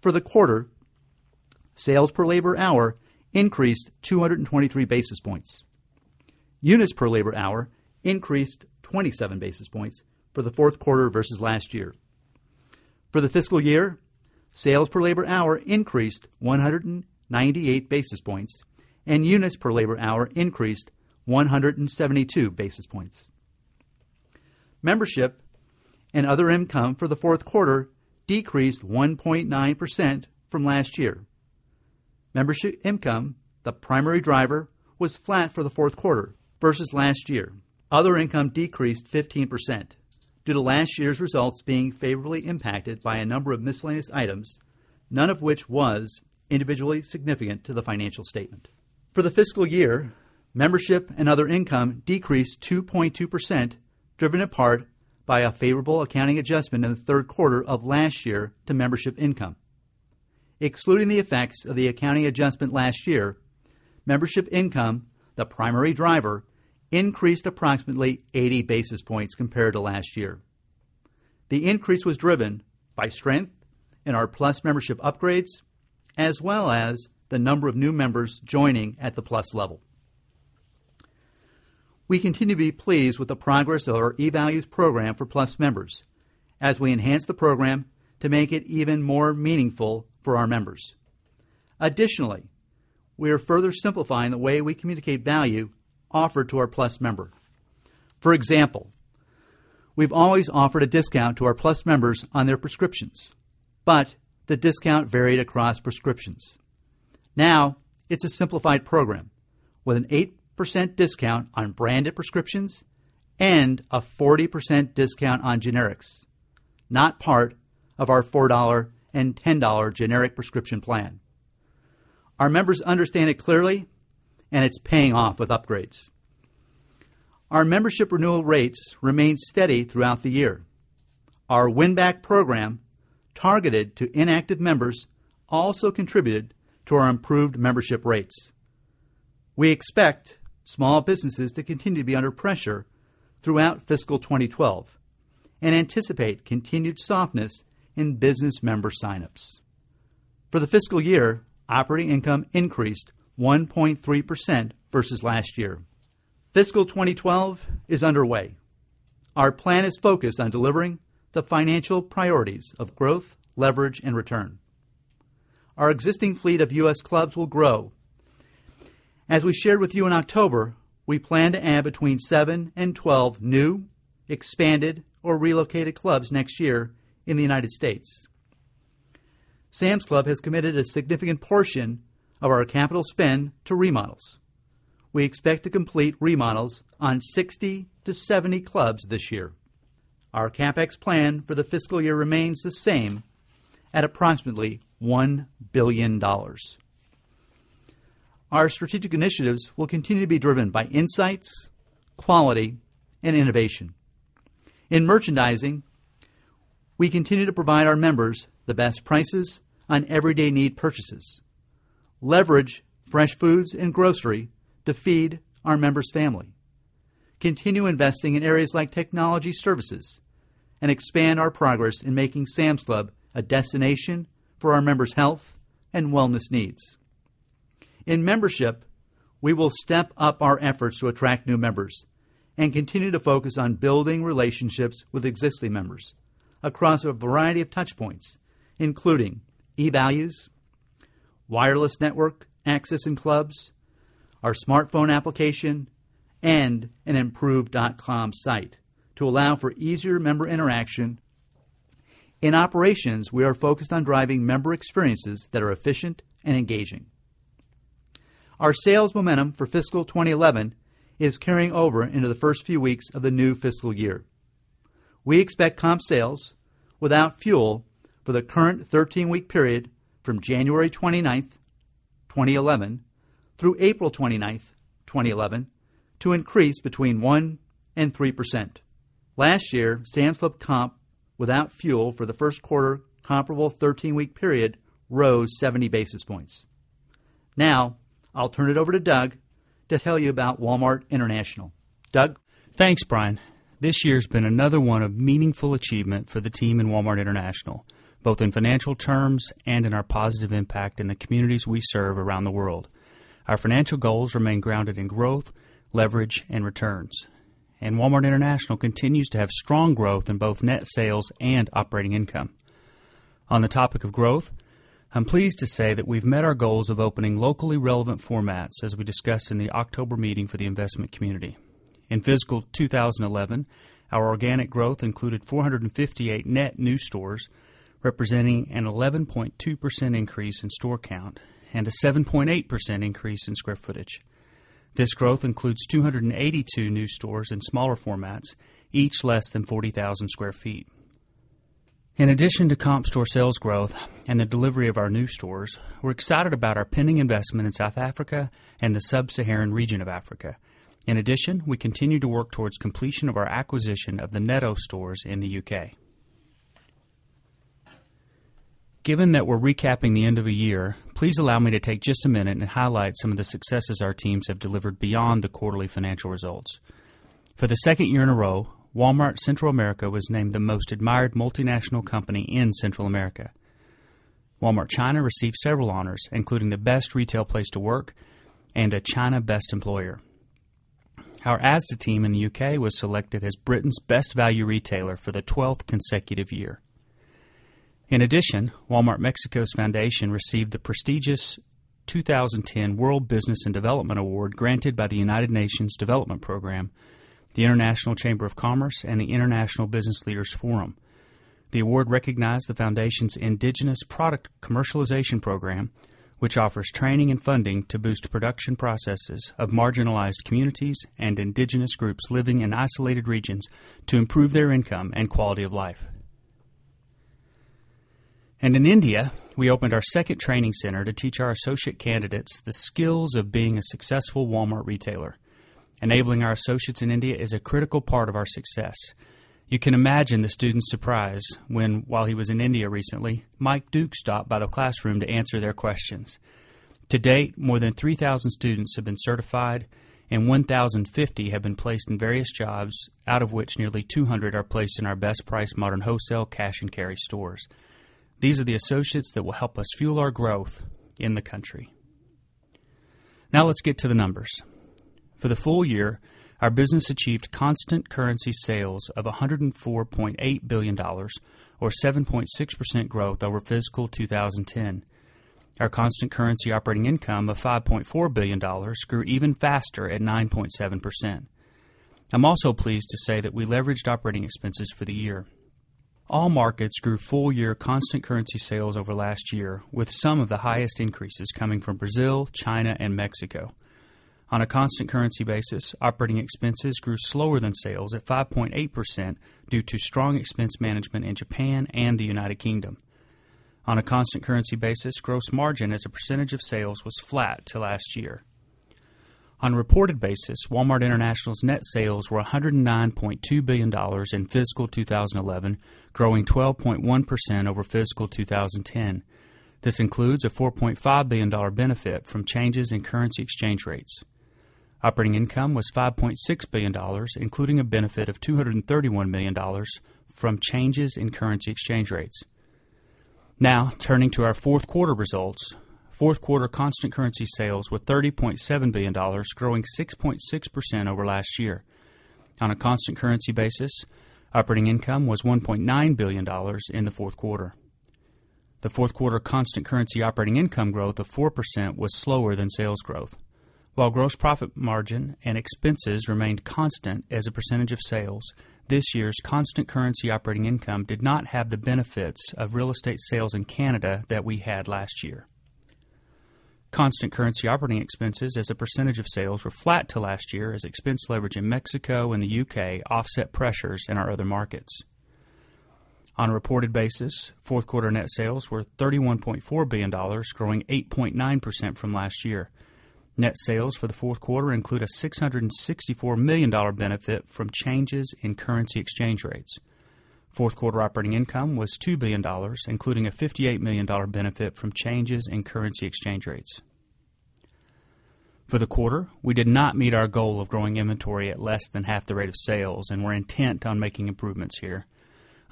For the quarter, sales per labor hour increased 223 basis points. Units per labor hour increased 27 basis points for the Q4 versus last year. For the fiscal year, Sales per labor hour increased 198 basis points and units per labor hour increased 172 basis points. Membership and other income for the Q4 decreased 1.9% from last year. Membership income, the primary driver, was flat for the Q4 versus last year. Other income decreased 15% Due to last year's results being favorably impacted by a number of miscellaneous items, none of which was individually significant to the financial statement. For the fiscal year, membership and other income decreased 2.2%, driven apart by a favorable accounting adjustment in the Q3 of last year to membership income. Excluding the effects of the accounting adjustment last year, membership income, the primary driver, Increased approximately 80 basis points compared to last year. The increase was driven by strength in our Plus membership upgrades as well as the number of new members joining at the Plus level. We continue to be Pleased with the progress of our e values program for Plus members as we enhance the program to make it even more meaningful for our members. Additionally, we are further simplifying the way we communicate value offered to our Plus member. For example, We've always offered a discount to our Plus members on their prescriptions, but the discount varied across prescriptions. Now it's a simplified program, with an 8% discount on branded prescriptions and a 40% discount on generics, not part of our $4.10 generic prescription plan. Our members understand it clearly and it's paying off with upgrades. Our membership renewal rates remained steady throughout the year. Our win back program targeted to inactive members Also contributed to our improved membership rates. We expect small businesses to continue to be under pressure Throughout fiscal 2012 and anticipate continued softness in business member sign ups. For the fiscal year, operating income increased 1.3% versus last year. Fiscal 2012 is underway. Our plan is focused on delivering the financial priorities of growth, leverage and return. Our existing fleet of U. S. Clubs will grow. As we shared with you in October, we plan to add between 7 12 new, expanded or relocated clubs next year in the United States. Sam's Club has committed a significant portion of our capital spend to remodels. We expect to complete remodels On 60 to 70 clubs this year, our CapEx plan for the fiscal year remains the same at approximately $1,000,000,000 Our strategic initiatives will continue to be driven by insights, quality and innovation. In merchandising, We continue to provide our members the best prices on everyday need purchases, leverage fresh foods and grocery to feed our member's family, Continue investing in areas like technology services and expand our progress in making Sam's Club a destination For our members' health and wellness needs. In membership, we will step up our efforts to attract new members And continue to focus on building relationships with existing members across a variety of touch points, including e values wireless network access and clubs our smartphone application and an improved.com site To allow for easier member interaction, in operations, we are focused on driving member experiences that are efficient and engaging. Our sales momentum for fiscal 2011 is carrying over into the 1st few weeks of the new fiscal year. We expect comp sales Without fuel, for the current 13 week period from January 29, 2011 through April 29, 2011, To increase between 1% and 3%. Last year, sandflip comp without fuel for the 1st quarter Comparable 13 week period rose 70 basis points. Now I'll turn it over to Doug to tell you about Walmart International. Doug? Thanks, Brian. This year has been another one of meaningful achievement for the team in Walmart International, both in financial terms And in our positive impact in the communities we serve around the world. Our financial goals remain grounded in growth, leverage, and returns. And Walmart International continues to have strong growth in both net sales and operating income. On the topic of growth, I'm pleased to say that we've met our goals of opening locally relevant formats as we discussed in the October meeting for the investment community. In fiscal 2011, Our organic growth included 458 net new stores, representing an 11.2% increase in store count and a 7.8% increase in square footage. This growth includes 282 new stores in smaller formats, each less than 40,000 square feet. In addition to comp store sales growth and the delivery of our new stores, we're excited about our pending investment in South Africa in the Sub Saharan region of Africa. In addition, we continue to work towards completion of our acquisition of the Neto stores in the U. K. Given that we're recapping the end of the year, please allow me to take just a minute and highlight some of the successes our teams have delivered beyond the quarterly financial results. For the 2nd year in a row, Walmart Central America was named the most admired multinational company in Central America. Walmart China received several honors, including the best retail place to work and a China best employer. Our Asda team in the UK was selected as Britain's best value retailer for the 12th consecutive year. In addition, Walmart Mexico's Foundation received the prestigious 2010 World Business and Development Award granted by the United Nations Development Program, the International Chamber of Commerce and the International Business Leaders Forum. The award recognized the foundation's indigenous product commercialization program, which offers training and funding to boost production processes of marginalized communities And indigenous groups living in isolated regions to improve their income and quality of life. And in India, we opened our 2nd training center to teach our associate candidates the skills of being a successful Walmart retailer. Enabling our associates in India is a critical part of our success. You can imagine the student's surprise when, while he was in India recently, Mike Duke stopped by the classroom to answer Their questions. To date, more than 3,000 students have been certified and 10.50 have been placed in various jobs, out of which, nearly 200 are placed in our best price modern wholesale cash and carry stores. These are the associates that will help us fuel our growth in the country. Now let's get to the numbers. For the full year, our business achieved constant currency sales of $104,800,000,000 or 7.6% growth over fiscal 2010. Our constant currency operating income of $5,400,000,000 grew even faster at 9.7%. I'm also pleased to say that we leveraged operating expenses for the year. All markets grew full year constant currency sales over last year, with some of the highest This is coming from Brazil, China and Mexico. On a constant currency basis, operating expenses grew slower than sales at 5.8% due to strong expense management in Japan and the United Kingdom. On a constant currency basis, gross margin as a percentage of sales was flat to last year. On a reported basis, Walmart International's net sales were $109,200,000,000 in fiscal 2011, growing 12.1% over fiscal 2010. This includes a $4,500,000,000 benefit from changes in currency exchange rates. Operating income was $5,600,000,000 including a benefit of $231,000,000 from changes in currency exchange rates. Now turning to our Q4 results. 4th quarter constant currency sales were $30,700,000,000 growing 6.6% over last year. On a constant currency basis, operating income was $1,900,000,000 in the 4th quarter. The 4th quarter constant currency operating income Growth of 4% was slower than sales growth. While gross profit margin and expenses remained constant as a percentage of sales, This year's constant currency operating income did not have the benefits of real estate sales in Canada that we had last year. Constant currency operating expenses as a percentage of sales were flat to last year as expense leverage in Mexico and the U. K. Offset pressures in our other markets. On a reported basis, 4th quarter net sales were $31,400,000,000 growing 8.9% from last year. Net sales for the Q4 include a $664,000,000 benefit from changes in currency exchange rates. 4th quarter operating income was $2,000,000,000 including a $58,000,000 benefit from changes in currency exchange rates. For the quarter, we did not meet our goal of growing inventory at less than half the rate of sales and we're intent on making improvements here.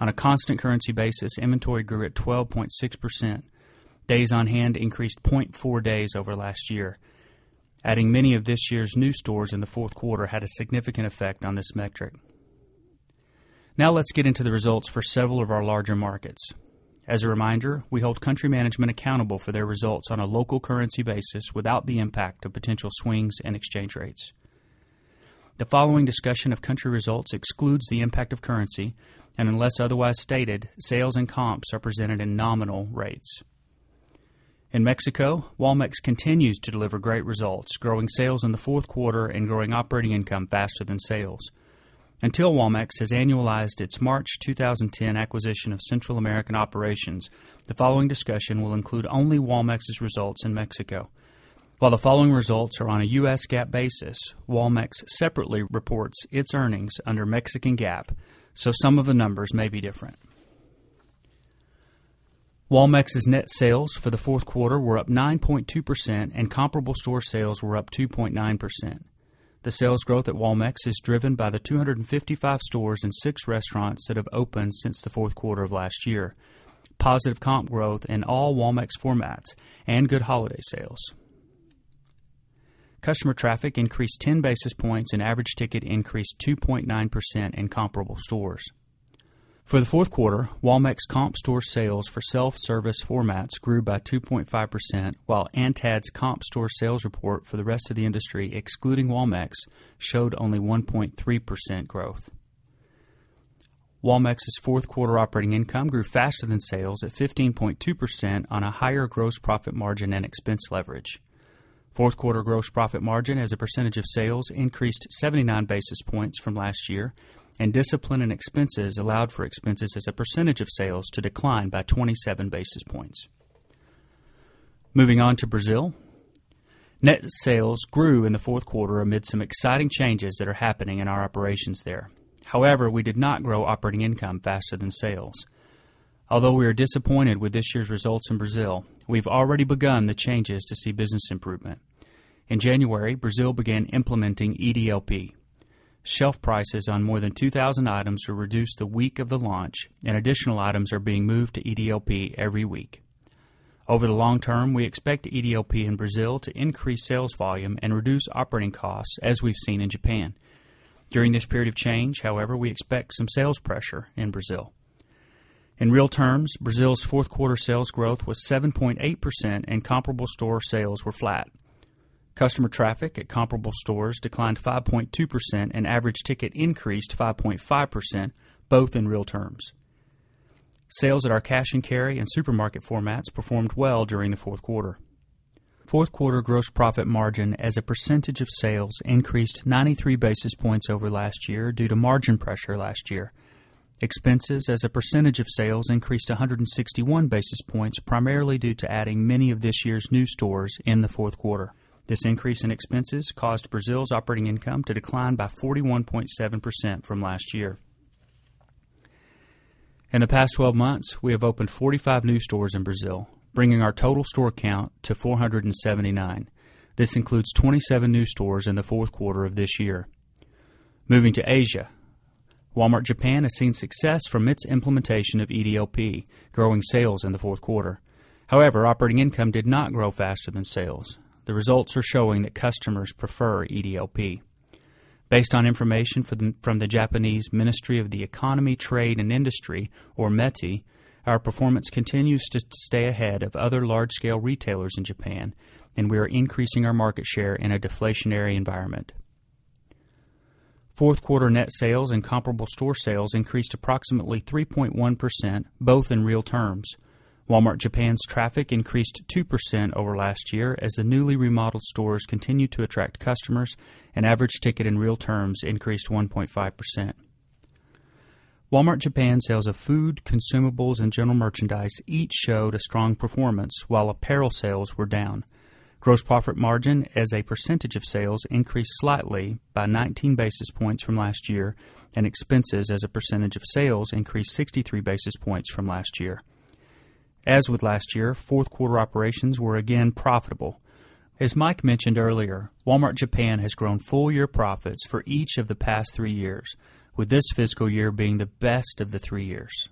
On a constant currency basis, inventory grew at 12.6%. Days on hand increased 0.4 days over last year. Adding many of this year's new stores in the Q4 had a significant effect on this metric. Now let's get into the results for several of our larger markets. As a reminder, we hold country management accountable for their results on a local currency basis without the impact of potential swings and exchange rates. The following discussion of country results excludes the impact of currency, and unless otherwise stated, sales and comps are presented in nominal rates. In Mexico, Walmex continues to deliver great results, growing sales in the 4th quarter and growing operating income faster than sales. Until Walmex has annualized its March 2010 acquisition of Central American Operations, the following discussion will include only Walmex's results in Mexico. While the following results are on a U. S. GAAP basis, Walmex separately reports its earnings under Mexican GAAP, so some of the numbers may be different. Walmex's net sales for the Q4 were up 9.2% and comparable store sales were up 2.9%. The sales growth at Walmex is driven by the 255 stores and 6 restaurants that have opened since the Q4 of last year, Positive comp growth in all Walmex formats and good holiday sales. Customer traffic increased 10 basis points and average ticket increased 2.9% in comparable stores. For the Q4, Walmex comp store sales for self-service formats grew by 2.5%, while Antad's comp store sales report for the rest of the industry, excluding Walmex, showed only 1.3% growth. Walmex's 4th quarter operating income grew faster than sales at 15.2% on a higher gross profit margin and expense leverage. 4th quarter gross profit margin as a percentage of sales increased 79 basis points from last year, and discipline in expenses allowed for expenses as a percentage Sales to decline by 27 basis points. Moving on to Brazil. Net sales grew in the 4th quarter amid some changes that are happening in our operations there. However, we did not grow operating income faster than sales. Although we are disappointed with this year's results in Brazil, We've already begun the changes to see business improvement. In January, Brazil began implementing EDLP. Shelf prices on more than 2,000 items were reduced the week of the launch, and additional items are being moved to EDLP every week. Over the long term, we expect EDLP in Brazil to increase sales volume and reduce operating costs as we've seen in Japan. During this period of change, however, we expect some sales pressure in Brazil. In real terms, Brazil's 4th quarter sales growth was 7.8% and comparable store sales were flat. Customer traffic at comparable stores declined 5.2% and average ticket increased 5.5%, both in real terms. Sales at our cash and carry and supermarket formats performed well during the 4th quarter. 4th quarter gross profit margin as a percentage of sales increased 93 basis points over last year due to margin pressure last year. Expenses as a percentage of sales increased 161 basis points, primarily due to adding many of this year's new stores in the 4th quarter. This increase in expenses caused Brazil's operating income to decline by 41.7% from last year. In the past 12 months, we have opened 45 new stores in Brazil, bringing our total store count to 479. This includes 27 new stores in the Q4 of this year. Moving to Asia. Walmart Japan has seen Success from its implementation of EDLP, growing sales in the 4th quarter. However, operating income did not grow faster than sales. The results are showing that customers prefer EDLP. Based on information from the Japanese Ministry of the Economy, Trade and Industry, or METI, Our performance continues to stay ahead of other large scale retailers in Japan, and we are increasing our market share in a deflationary environment. 4th quarter net sales and comparable store sales increased approximately 3.1%, both in real terms. Walmart Japan's traffic increased 2% over last year as the newly remodeled stores continue to attract customers and average ticket in real terms Increased 1.5%. Walmart Japan sales of food, consumables and general merchandise each showed a strong performance, while apparel sales were down. Gross profit margin as a percentage of sales increased slightly by 19 basis points from last year, and expenses as a percentage of sales increased 63 basis points from last year. As with last year, 4th quarter operations were again profitable. As Mike mentioned earlier, Walmart Japan has grown full year profits for each of the past 3 years, with this fiscal year being the best of the 3 years.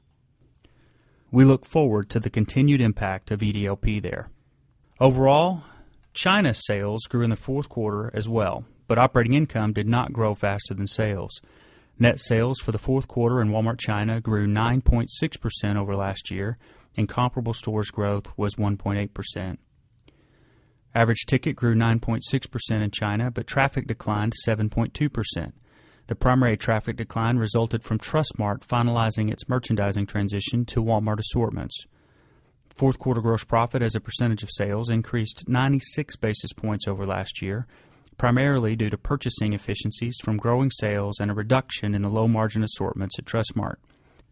We look forward to the continued impact of EDLP there. Overall, China sales grew in the 4th quarter as well, but operating income did not grow faster than sales. Net sales for the Q4 in Walmart China grew 9.6% over last year and comparable stores growth was 1.8%. Average ticket grew 9.6% in China, but traffic declined 7.2%. The primary traffic decline resulted from Trustmark finalizing its merchandising transition to Walmart assortments. 4th quarter gross profit as a percentage of sales increased 96 basis points over last year, primarily due to purchasing efficiencies from growing sales and a reduction in the low margin assortments at Trustmark.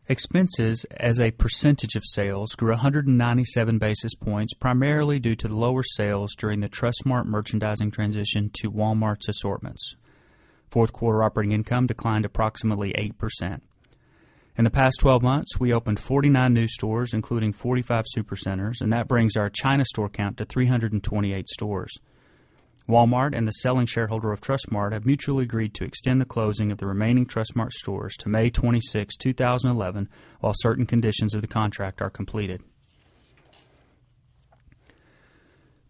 Expenses as a percentage of sales grew 197 basis points, primarily due to lower sales during the Trustmark merchandising transition to Walmart's 4th quarter operating income declined approximately 8%. In the past 12 months, we opened 49 new stores, including 45 supercenters, and that brings our store count to 328 stores. Walmart and the selling shareholder of Trust Mart have mutually agreed to extend the closing of the remaining Trust Mart to May 26, 2011, while certain conditions of the contract are completed.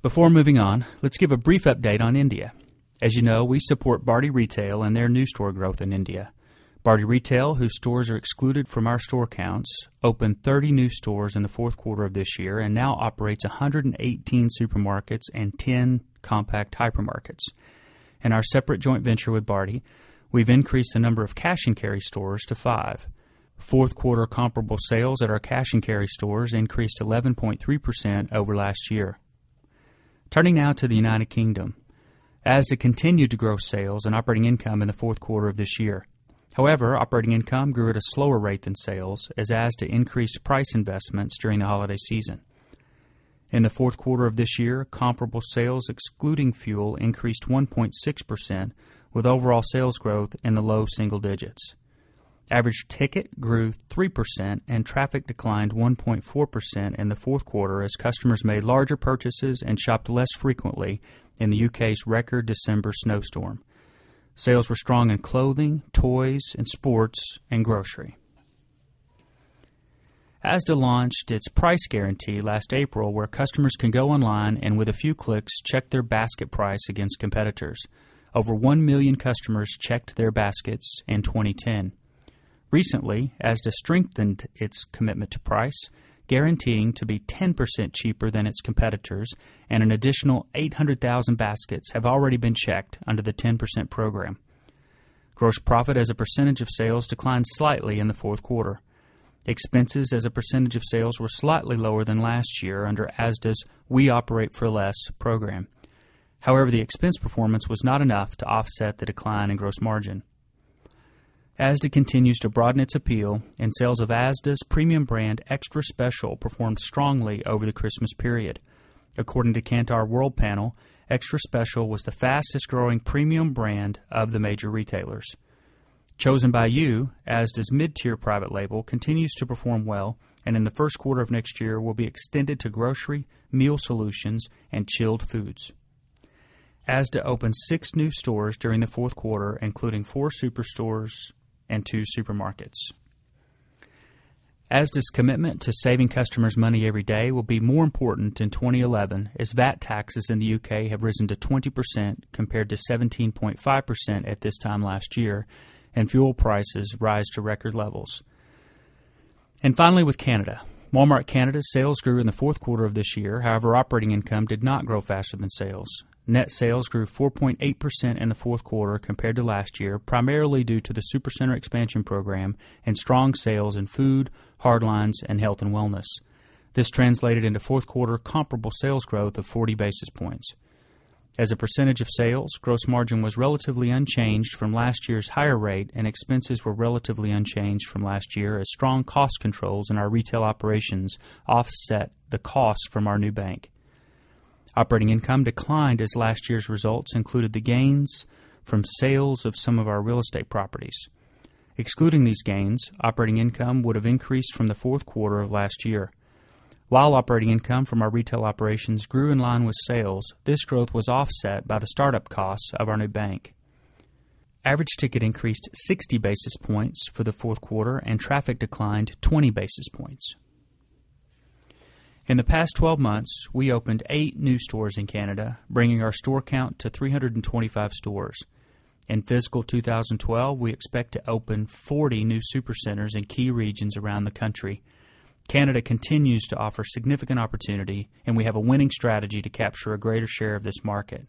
Before moving on, let's give a brief update on India. As you know, we support Barti Retail and their new store growth in India. Barty Retail, whose stores are excluded from our store counts, opened 30 new stores in the Q4 of this year and now operates 118 supermarkets and ten Compact hypermarkets. In our separate joint venture with Barty, we've increased the number of cash and carry stores to 5. 4th quarter comparable sales at our cash and carry stores increased 11.3% over last year. Turning now to the United Kingdom. Asda continued to grow sales and operating income in the Q4 of this year. However, operating income grew at a slower rate than sales as during the holiday season. In the Q4 of this year, comparable sales excluding fuel increased 1.6% with overall sales growth in the low single digits. Average ticket grew 3% and traffic declined 1.4% in the 4th quarter as Customers made larger purchases and shopped less frequently in the UK's record December snowstorm. Sales were strong in clothing, toys and sports and grocery. Asda launched its price guarantee last April where customers can go online and with a few clicks Check their basket price against competitors. Over 1,000,000 customers checked their baskets in 2010. Recently, ASDA strengthened its commitment to price, guaranteeing to be 10% cheaper than its competitors, and an additional 800,000 baskets have already been checked under the 10% program. Gross profit as a percentage of sales declined slightly in the 4th quarter. Expenses as a percentage of sales were slightly lower than last year under ASDAs We Operate for Less program. However, the expense performance was not enough to offset the decline in gross margin. ASDA continues to broaden its appeal, And sales of Asda's premium brand, Extra Special, performed strongly over the Christmas period. According to Kantar World Panel, Extra Special was the fastest growing premium brand of the major retailers. Chosen by you, as does mid tier private label, continues to perform well and in the Q1 of next year will be extended to grocery, meal solutions and chilled foods. Asda opened To saving customers money every day will be more important in 2011 as VAT taxes in the UK have risen to 20% compared to 17.5% at this And fuel prices rise to record levels. And finally with Canada. Walmart Canada sales grew in the Q4 of this However, operating income did not grow faster than sales. Net sales grew 4.8% in the 4th quarter compared to last year, primarily due to the Supercenter expansion program and strong sales in food, hardlines and health and wellness. This translated into 4th quarter comparable sales growth of 40 basis points. As a percentage of sales, gross margin was relatively unchanged from last year's higher rate and expenses were relatively unchanged from last strong cost controls in our retail operations offset the cost from our new bank. Operating income declined as last year's results included the gains from sales of some of our real estate properties. Excluding these gains, operating income would have increased from the Q4 of last year. While operating income from our retail operations grew in line with sales, this growth was offset by the start up costs of our new bank. Average ticket increased 60 basis points for the 4th quarter and traffic declined 20 basis points. In the past 12 months, we opened 8 new stores in Canada, bringing our store count to 325 stores. In fiscal 2012, we expect to open 40 new supercenters in key regions around the country. Canada continues to offer significant opportunity, And we have a winning strategy to capture a greater share of this market.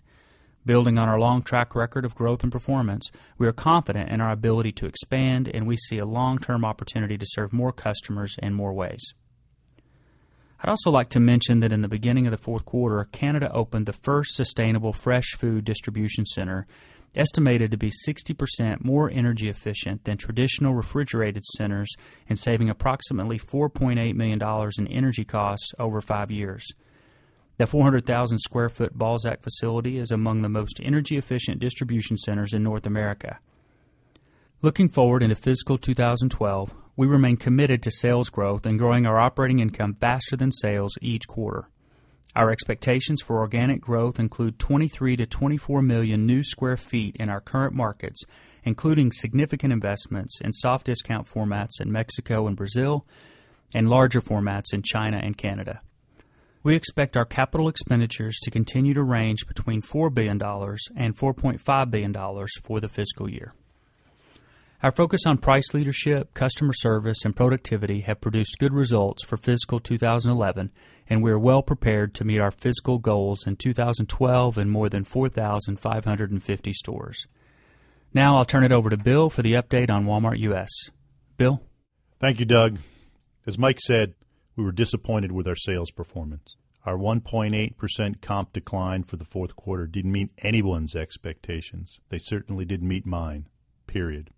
Building on our long track record of growth and performance, we are confident in our ability to Banned and we see a long term opportunity to serve more customers in more ways. I'd also like to mention that in the beginning of Q4, Canada opened the 1st sustainable fresh food distribution center estimated to be 60% more energy efficient than traditional refrigerated centers and saving $4,800,000 in energy costs over 5 years. The 400,000 square foot Balzac facility is among the most energy efficient distribution Looking forward into fiscal 2012, we remain committed to sales growth and growing our operating income faster than sales each quarter. Our expectations for organic growth include 23,000,000 to 24,000,000 new square feet in our current markets, including Significant investments in soft discount formats in Mexico and Brazil and larger formats in China and Canada. We expect our capital expenditures to continue to range between $4,000,000,000 $4,500,000,000 for the fiscal year. Our focus on price leadership, customer service and productivity have produced good results for fiscal in 2012 in more than 4,550 stores. Now I'll turn it over to Bill for the update on Walmart US. Bill? Thank you, Doug. As Mike said, we were disappointed with our sales performance. Our 1.8% comp decline for the Q4 didn't meet anyone's expectations. They certainly did meet mine, period.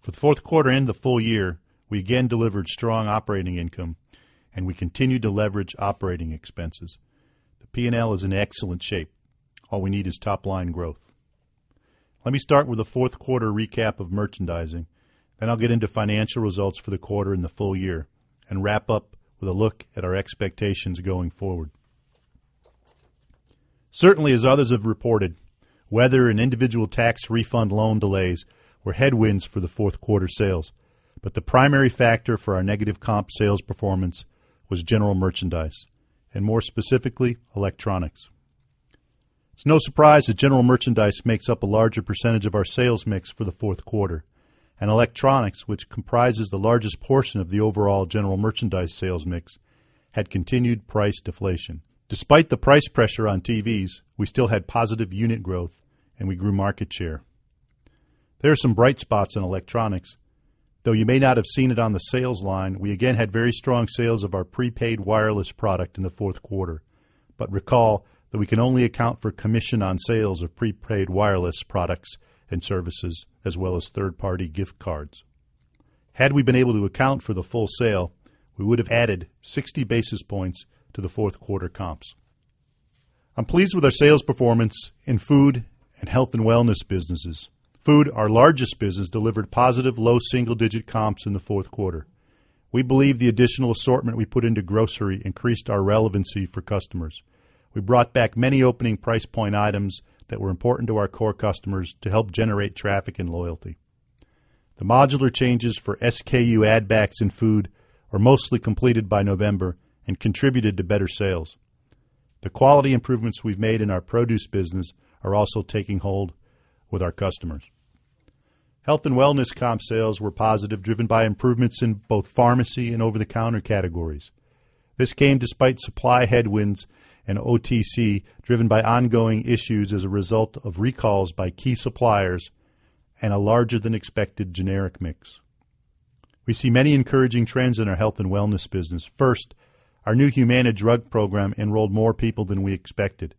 For the Q4 and the full year, we again delivered strong operating income And we continue to leverage operating expenses. The P and L is in excellent shape. All we need is top line growth. Let me start with the Q4 recap of merchandising, then I'll get into financial results for the quarter and the full year, and wrap up with a look at our expectations going forward. Certainly, as others have reported, weather and individual tax refund loan delays were headwinds for the 4th quarter sales, But the primary factor for our negative comp sales performance was general merchandise, and more specifically, electronics. It's no surprise that general merchandise makes up a larger percentage of our sales mix for the Q4. And electronics, which Comprises the largest portion of the overall general merchandise sales mix, had continued price deflation. Despite the price pressure on TVs, Seeing it on the sales line, we again had very strong sales of our prepaid wireless product in the Q4. But recall that we can only account for commission on sales of Prepaid wireless products and services as well as 3rd party gift cards. Had we been able to account for the full sale, We would have added 60 basis points to the 4th quarter comps. I'm pleased with our sales performance in Food and Health and Wellness businesses. Food, our largest business, delivered positive low single digit comps in the Q4. We believe the additional assortment we put into grocery increased our relevancy for customers. We brought back many opening price point items that were important to our core customers to help generate traffic and loyalty. The modular changes for SKU add backs in food are mostly completed by November and contributed to better sales. The quality improvements we've made in our produce business are also taking hold with our customers. Health and wellness comp sales Driven by ongoing issues as a result of recalls by key suppliers and a larger than expected generic mix. We see many encouraging trends in our health and wellness business. First, our new Humana drug program enrolled more people than we expected.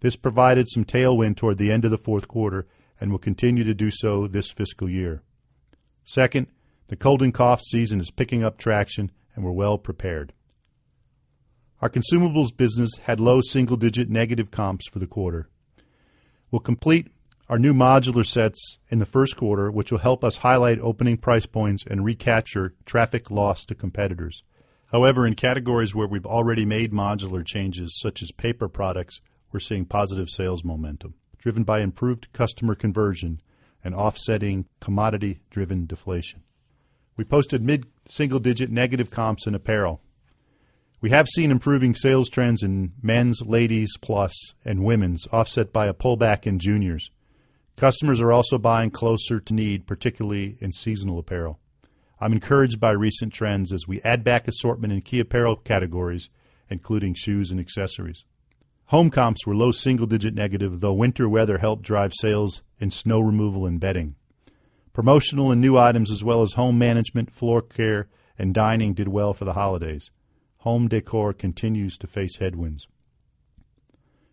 This provided some tailwind toward the end of the Q4 and will continue to do so this fiscal year. 2nd, The cold and cough season is picking up traction and we're well prepared. Our consumables business had low single digit negative comps for the quarter. We'll complete our new modular sets in the Q1, which will help us highlight opening price points and recapture traffic loss to competitors. However, in categories where we've already made modular changes such as paper products, we're seeing positive sales momentum, driven by improved customer conversion And offsetting commodity driven deflation. We posted mid single digit negative comps in apparel. We have seen improving sales trends in men's, ladies, plus and women's, offset by a pullback in juniors. Customers are also buying closer to need, particularly in seasonal apparel. I'm encouraged by recent trends as we add back assortment in key apparel categories, Including shoes and accessories. Home comps were low single digit negative, though winter weather helped drive sales and snow removal and bedding. Promotional and new items as well as home management, floor care and dining did well for the holidays. Home decor continues to face headwinds.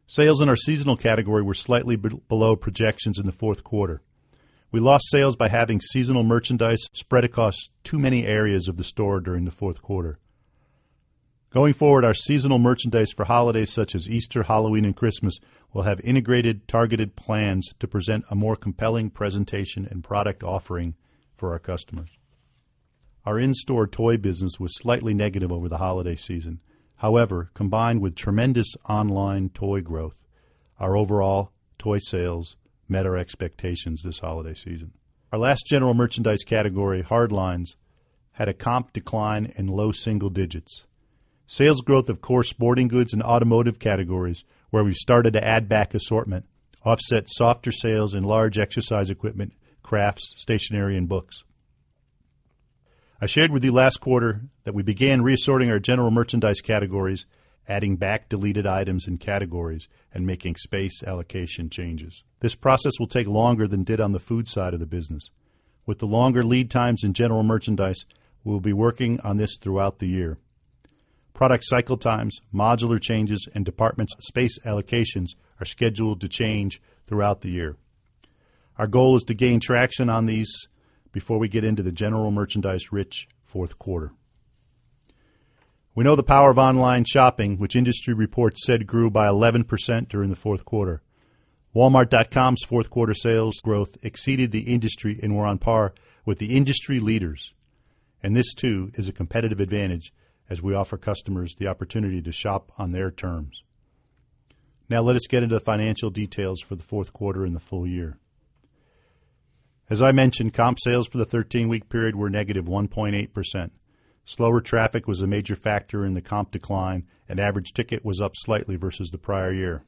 Sales in our seasonal category were slightly below projections in the Q4. We lost sales by having seasonal merchandise spread across Too many areas of the store during the Q4. Going forward, our seasonal merchandise for holidays such as Easter, Halloween and Christmas We'll have integrated targeted plans to present a more compelling presentation and product offering for our customers. Our in store toy business was slightly negative over the holiday season. However, combined with tremendous online toy growth, our overall toy sales Met our expectations this holiday season. Our last general merchandise category, Hardlines, had a comp decline in low single digits. Sales growth of core sporting goods and automotive categories, where we started to add back assortment, offset softer sales in large exercise equipment, Crafts, Stationery and Books. I shared with you last quarter that we began reassorting our general merchandise categories, Adding back deleted items and categories and making space allocation changes. This process will take longer than did on the food side of the business. With the longer lead times in general merchandise, we will be working on this throughout the year. Product cycle times, modular changes and department space allocations Our goal is to gain traction on these before we get into the general merchandise rich Q4. We know the power of online shopping, which industry reports said grew by 11% during the Q4. Walmart.com's 4th quarter sales growth Seeded the industry and we're on par with the industry leaders. And this too is a competitive advantage as we offer customers the opportunity to shop on their terms. Now let us get into the financial details for the Q4 and the full year. As I mentioned, comp sales for the 13 week period were negative 1.8%. Slower traffic was a major factor in the comp decline and average ticket was up slightly versus the prior year.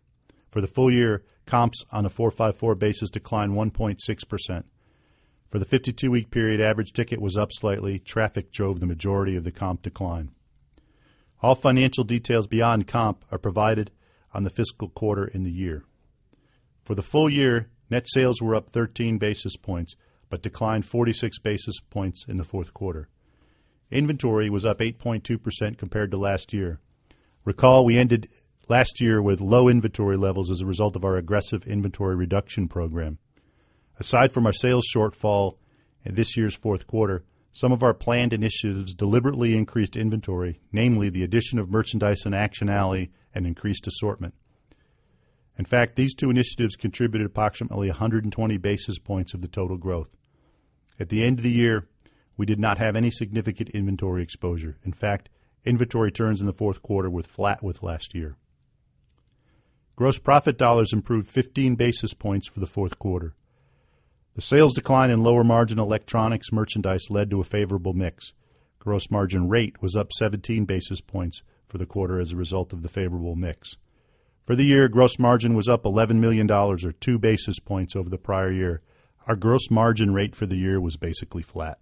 For the full year, Comps on a 4.54 basis declined 1.6%. For the 52 week period, average ticket was up slightly. Traffic drove the majority of the comp decline. All financial details beyond comp are provided on the fiscal quarter and the year. For the full year, net sales were up 13 basis points, but declined 46 basis points in the 4th quarter. Inventory was up 8.2% compared to last year. Recall, we ended Last year with low inventory levels as a result of our aggressive inventory reduction program. Aside from our sales shortfall In this year's Q4, some of our planned initiatives deliberately increased inventory, namely the addition of merchandise in Action Alley and increased assortment. In fact, these two initiatives contributed approximately 120 basis points of the total growth. At the end of the year, We did not have any significant inventory exposure. In fact, inventory turns in the Q4 were flat with last year. Gross profit dollars improved 15 basis points for the 4th quarter. The sales decline in lower margin electronics merchandise led to a favorable mix. Gross margin rate was up 17 basis points for the quarter as a result of the favorable mix. For the year, gross margin was up $11,000,000 or 2 basis points over Prior year, our gross margin rate for the year was basically flat.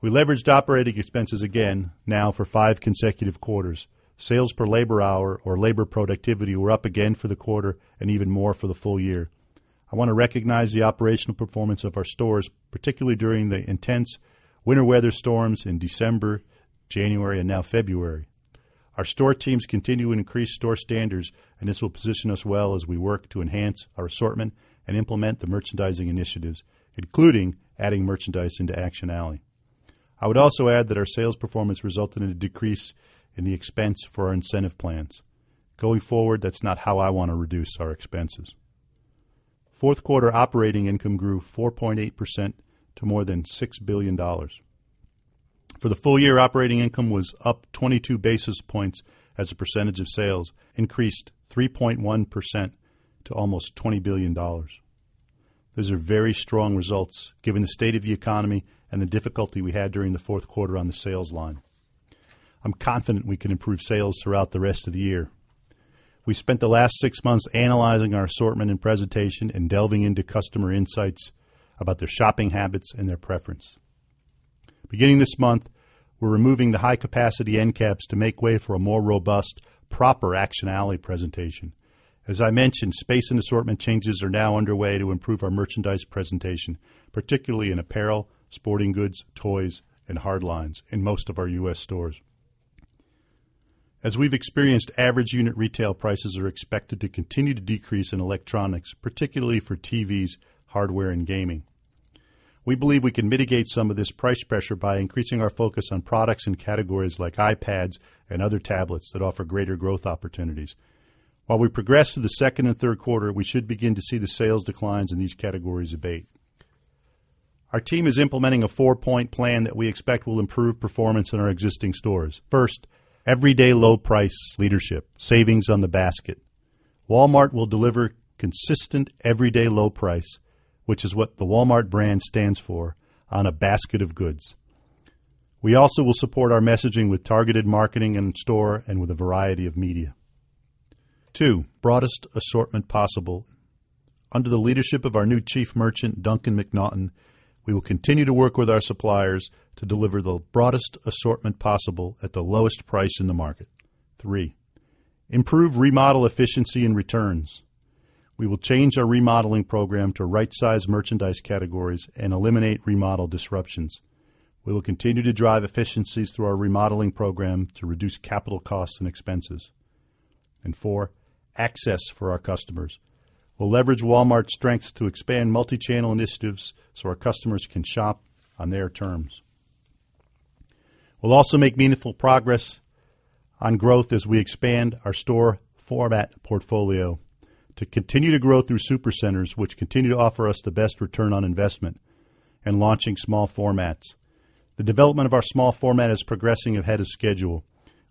We leveraged operating expenses again now for 5 consecutive quarters. Sales per labor hour or labor productivity were up again for the quarter and even more for the full year. I want to recognize the operational performance of our stores, Particularly during the intense winter weather storms in December, January and now February. Our store teams continue to increase store standards This will position us well as we work to enhance our assortment and implement the merchandising initiatives, including adding merchandise into Action Alley. I would also add that our sales performance resulted in a decrease in the expense for our incentive plans. Going forward, that's not how I want to reduce our expenses. 4th quarter operating income grew 4.8 percent to more than $6,000,000,000 For the full year, operating income was up 22 basis points as a percentage of sales increased 3.1 percent to almost $20,000,000,000 These are very strong results given the state of the economy and the difficulty we had during the Q4 on the sales line. I'm confident we can improve sales throughout the rest of the year. We spent the last 6 months analyzing our assortment and presentation and delving into customer insights About their shopping habits and their preference. Beginning this month, we're removing the high capacity end caps to make way for a more robust, Proper actionality presentation. As I mentioned, space and assortment changes are now underway to improve our merchandise presentation, particularly in apparel, Sporting goods, toys and hard lines in most of our U. S. Stores. As we've experienced, average unit retail prices are to continue to decrease in electronics, particularly for TVs, hardware and gaming. We believe we can mitigate Some of this price pressure by increasing our focus on products and categories like iPads and other tablets that offer greater growth opportunities. While we progress through the 2nd and third quarter, we should begin to see the sales declines in these categories abate. Our team is implementing a 4 point plan that we expect will improve performance in our existing stores. 1st, everyday low price leadership, savings on the basket. Walmart will deliver consistent everyday low price, which is what the Walmart brand stands for, on a basket of goods. We also will support our messaging with targeted marketing in store and with a variety of media. 2, broadest assortment possible. Under the leadership of our new Chief Merchant, Duncan MacNaughton, we will continue to work with our suppliers to deliver the broadest assortment possible at the lowest price in the market. 3, improve remodel efficiency and returns. We will change our remodeling program to right size merchandise categories and eliminate remodel disruptions. We will continue to drive efficiencies through our remodeling program to reduce capital costs and expenses. And 4, Access for our customers. We'll leverage Walmart strengths to expand multi channel initiatives so our customers can shop on their terms. We'll also make meaningful progress on growth as we expand our store format portfolio To continue to grow through supercenters, which continue to offer us the best return on investment and launching small formats. The development of our small format is progressing ahead of schedule.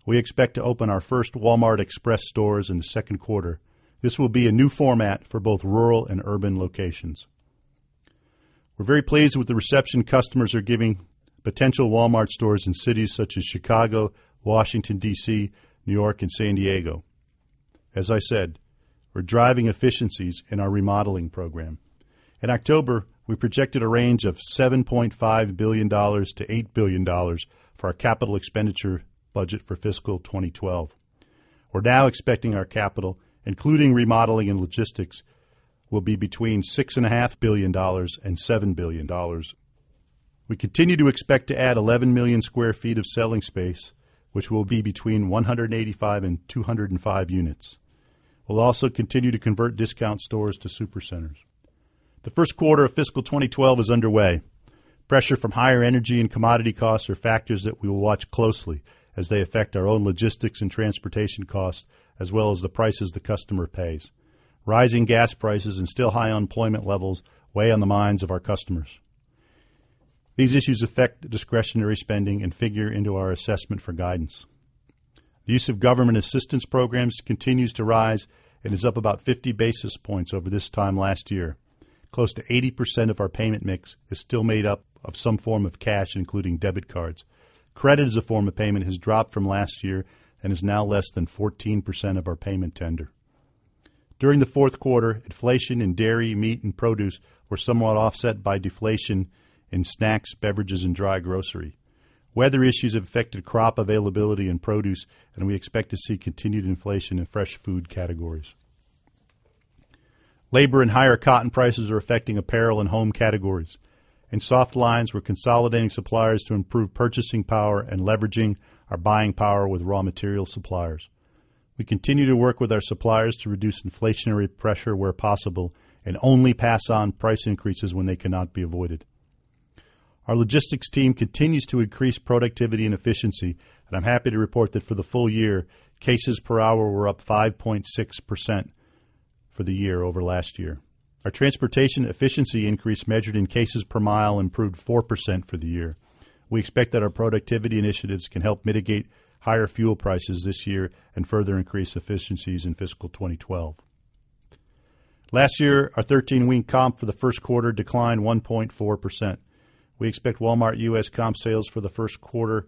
We expect to open our 1st Walmart Express stores in the 2nd quarter. This will be a new format for both rural and urban locations. We're very pleased with the reception customers are giving Potential Walmart stores in cities such as Chicago, Washington, D. C, New York and San Diego. As I said, We're driving efficiencies in our remodeling program. In October, we projected a range of $7,500,000,000 to $8,000,000,000 For our capital expenditure budget for fiscal 2012, we're now expecting our capital, including remodeling and logistics, We'll be between $6,500,000,000 $7,000,000,000 We continue to expect to add 11,000,000 square feet of selling space, which will be between 185 and 205 units. We'll also continue to convert discount stores to supercenters. The Q1 of fiscal 2012 is underway. Pressure from higher energy and commodity costs are factors that we will watch closely As they affect our own logistics and transportation costs as well as the prices the customer pays. Rising gas prices and still high unemployment levels Weigh on the minds of our customers. These issues affect discretionary spending and figure into our assessment for guidance. The use of government assistance programs continues to rise and is up about 50 basis points over this time last year. Close to 80% of our payment mix is still made up of some form of cash, including debit cards. Credit as a form of payment has dropped from last year and is now less than 14% of our payment tender. During the Q4, inflation in dairy, meat and produce were somewhat offset by deflation in snacks, beverages and dry grocery. Weather issues have affected crop availability in produce and we expect to see continued inflation in fresh food categories. Labor and higher cotton prices are affecting apparel and home categories. In soft lines, we're consolidating suppliers to improve purchasing power and leveraging Our buying power with raw material suppliers. We continue to work with our suppliers to reduce inflationary pressure where possible And only pass on price increases when they cannot be avoided. Our logistics team continues to increase productivity and efficiency, and I'm happy to report that for the full year, Cases per hour were up 5.6% for the year over last year. Our transportation efficiency increase measured in cases per mile improved 4% for the year. We expect that our productivity initiatives can help mitigate higher fuel prices this year and further increase efficiencies in fiscal 2012. Last year, our 13 week comp for the Q1 declined 1.4%. We expect Walmart U. S. Comp sales for the Q1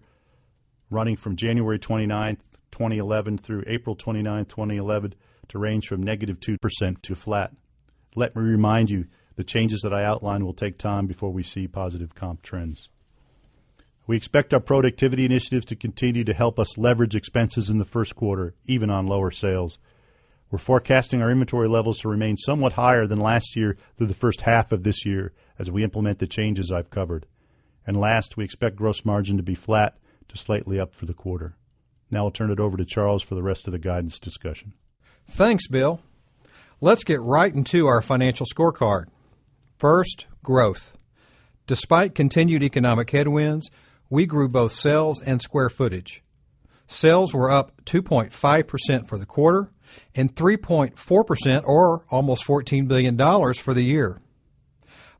Running from January 29, 2011 through April 29, 2011 to range from negative 2% to flat. Let me remind you, the changes that I outlined will take time before we see positive comp trends. We expect our productivity initiative We continue to help us leverage expenses in the Q1, even on lower sales. We're forecasting our inventory levels to remain somewhat higher than last year through the first half of this year As we implement the changes I've covered. And last, we expect gross margin to be flat to slightly up for the quarter. Now I'll turn it over to Charles for the rest of the guidance discussion. Thanks, Bill. Let's get right into our financial scorecard. 1st, growth. Despite continued economic headwinds, We grew both sales and square footage. Sales were up 2.5% for the quarter and 3 point 4% or almost $14,000,000,000 for the year.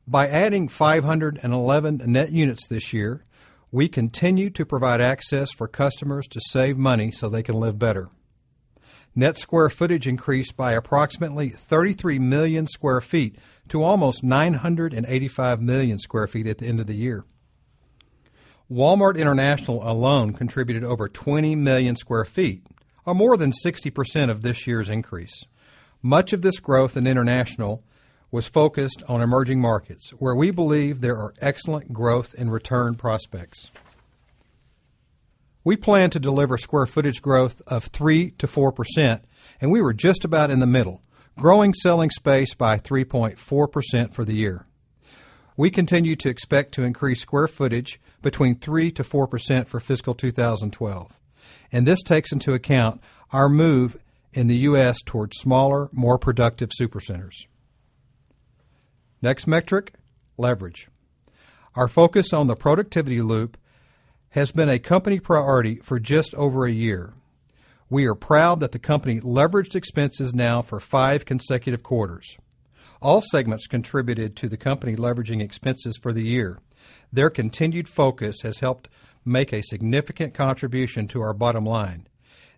By adding 5 11 net units this year, We continue to provide access for customers to save money so they can live better. Net square footage increased by approximately 33,000,000 square feet To almost 985,000,000 square feet at the end of the year. Walmart International alone contributed over 20,000,000 square feet More than 60% of this year's increase, much of this growth in international was focused on emerging markets, Where we believe there are excellent growth and return prospects. We plan to deliver square footage growth of 3% to 4%, And we were just about in the middle, growing selling space by 3.4% for the year. We continue to expect to increase square footage Between 3% to 4% for fiscal 2012. And this takes into account our move in the U. S. Towards smaller, more productive supercenters. Next metric, leverage. Our focus on the productivity loop has been a company priority for just over a year. We are proud that the company leveraged expenses now for 5 consecutive quarters. All segments contributed to the company leveraging expenses for the year. Their continued focus has helped make a significant contribution to our bottom line.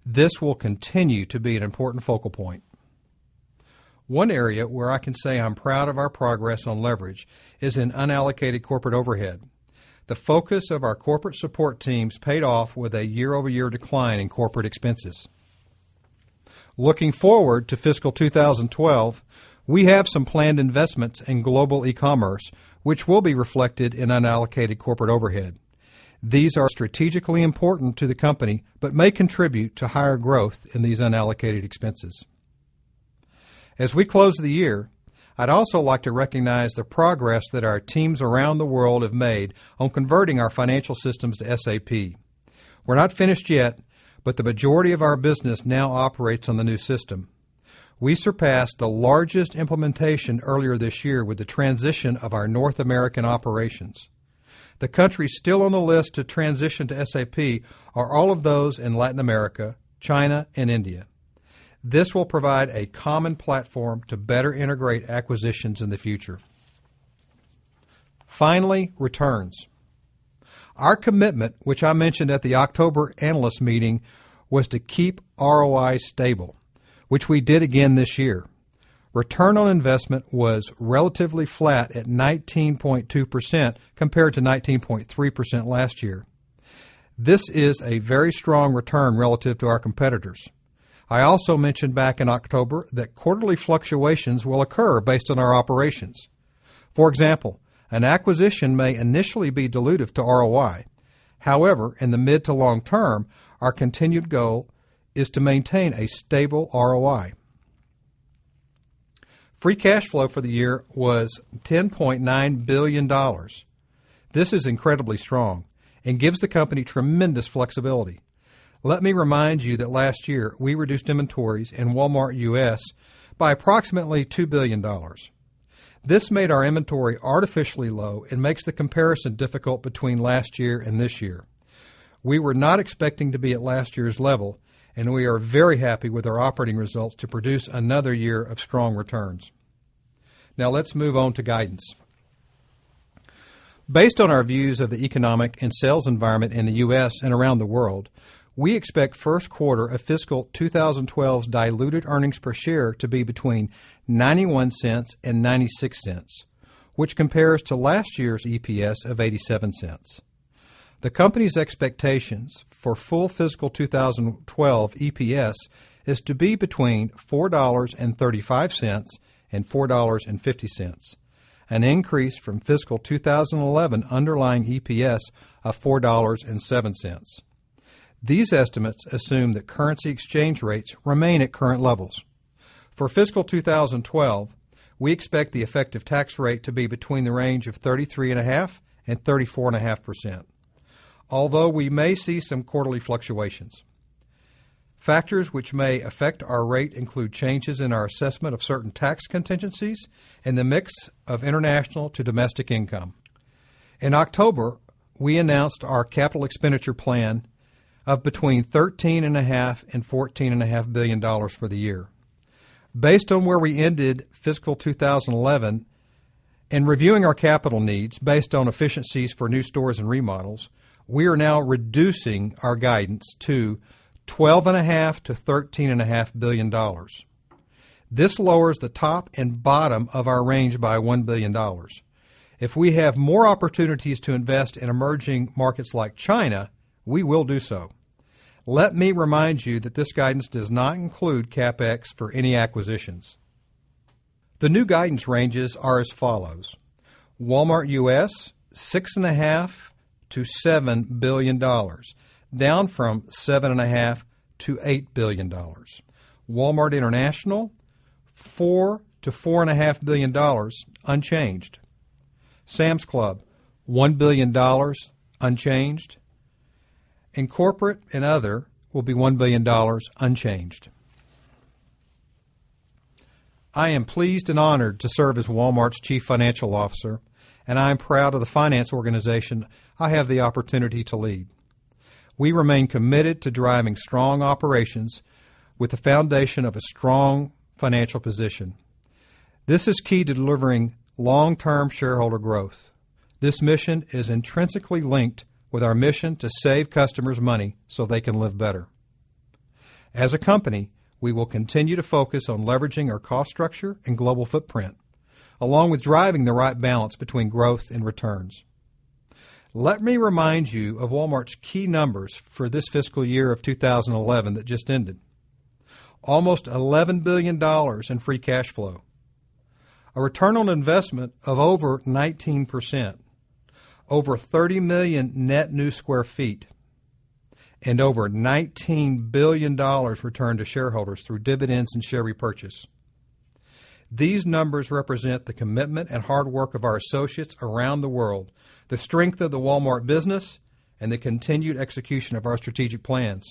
This will continue to be an important focal point. One area where I can say I'm proud of our progress on leverage is in unallocated corporate overhead. The focus of our corporate support teams paid off with a year over year decline in corporate expenses. Looking forward to fiscal 2012, We have some planned investments in global e commerce, which will be reflected in unallocated corporate overhead. These are strategically important to the company, but may contribute to higher growth in these unallocated expenses. As we close the year, I'd also like to recognize Progress that our teams around the world have made on converting our financial systems to SAP. We're not finished yet, But the majority of our business now operates on the new system. We surpassed the largest implementation earlier this year with the transition of our North American operations. The country still on the list to transition to SAP are all of those in Latin America, China and India. This will provide a common platform to better integrate acquisitions in the future. Finally, returns. Our commitment, which I mentioned at the October Analyst Meeting, was to keep ROI stable, which we did again this year. Return on investment was relatively flat at 19.2% compared to 19.3% last year. This is a very strong return relative to our competitors. I also mentioned back in October that quarterly fluctuations will occur based on our operations. For example, an acquisition may initially be dilutive to ROI. However, in the mid to long term, our continued goal Is to maintain a stable ROI. Free cash flow for the year was $10,900,000,000 This is incredibly strong and gives the company tremendous flexibility. Let me remind you that last year we reduced inventories in Walmart U. S. By approximately $2,000,000,000 This made our inventory artificially low and makes the comparison difficult between last year and this year. We were not expecting to be at last year's level and we are very happy with our operating results to produce another year of strong returns. Now let's move on to guidance. Based on our views of the economic and sales environment in the U. S. And around the world, We expect Q1 of fiscal 20 twelve's diluted earnings per share to be between $0.91 $0.96 which compares to last year's EPS of $0.87 The company's expectations for full fiscal 2012 EPS Is to be between $4.35 $4.50 an increase from fiscal 2011 underlying EPS A $4.07 These estimates assume that currency exchange rates remain at current levels. For fiscal 2012, we expect the effective tax rate to be between the range of 33.5% 34.5%, Although we may see some quarterly fluctuations, factors which may affect our rate include changes in our assessment of certain tax contingencies And the mix of international to domestic income. In October, we announced our capital expenditure plan Of between $13,500,000,000 $14,500,000,000 for the year. Based on where we ended fiscal 2011 And reviewing our capital needs based on efficiencies for new stores and remodels, we are now reducing our guidance to $12,500,000,000 to $13,500,000,000 This lowers the top and bottom of our range by $1,000,000,000 If we have more opportunities to invest in emerging markets like China, we will do so. Let me remind you that this guidance does not include CapEx For any acquisitions. The new guidance ranges are as follows. Walmart U. S. 6.5 To $7,000,000,000 down from $7,500,000,000 to $8,000,000,000 Walmart International, $4,000,000,000 to $4,500,000,000 unchanged. Sam's Club, dollars 1,000,000,000 Unchanged and corporate and other will be $1,000,000,000 unchanged. I am pleased and honored to serve as Walmart's Chief Financial Officer, and I am proud of the finance organization I have the opportunity to lead. We remain committed to driving strong operations with the foundation of a strong financial position. This is key to delivering long term shareholder growth. This mission is intrinsically linked with our mission to save customers money so they can live better. As a company, we will continue to focus on leveraging our cost structure and global footprint, along with driving the right balance between growth and returns. Let me remind you of Walmart's key numbers for this fiscal year of 2011 that just ended. Almost $11,000,000,000 in free cash flow. A return on investment of over 19%, Over 30,000,000 net new square feet and over $19,000,000,000 returned to shareholders through dividends and share repurchase. These numbers represent the commitment and hard work of our associates around the world, the strength of the Walmart business And the continued execution of our strategic plans.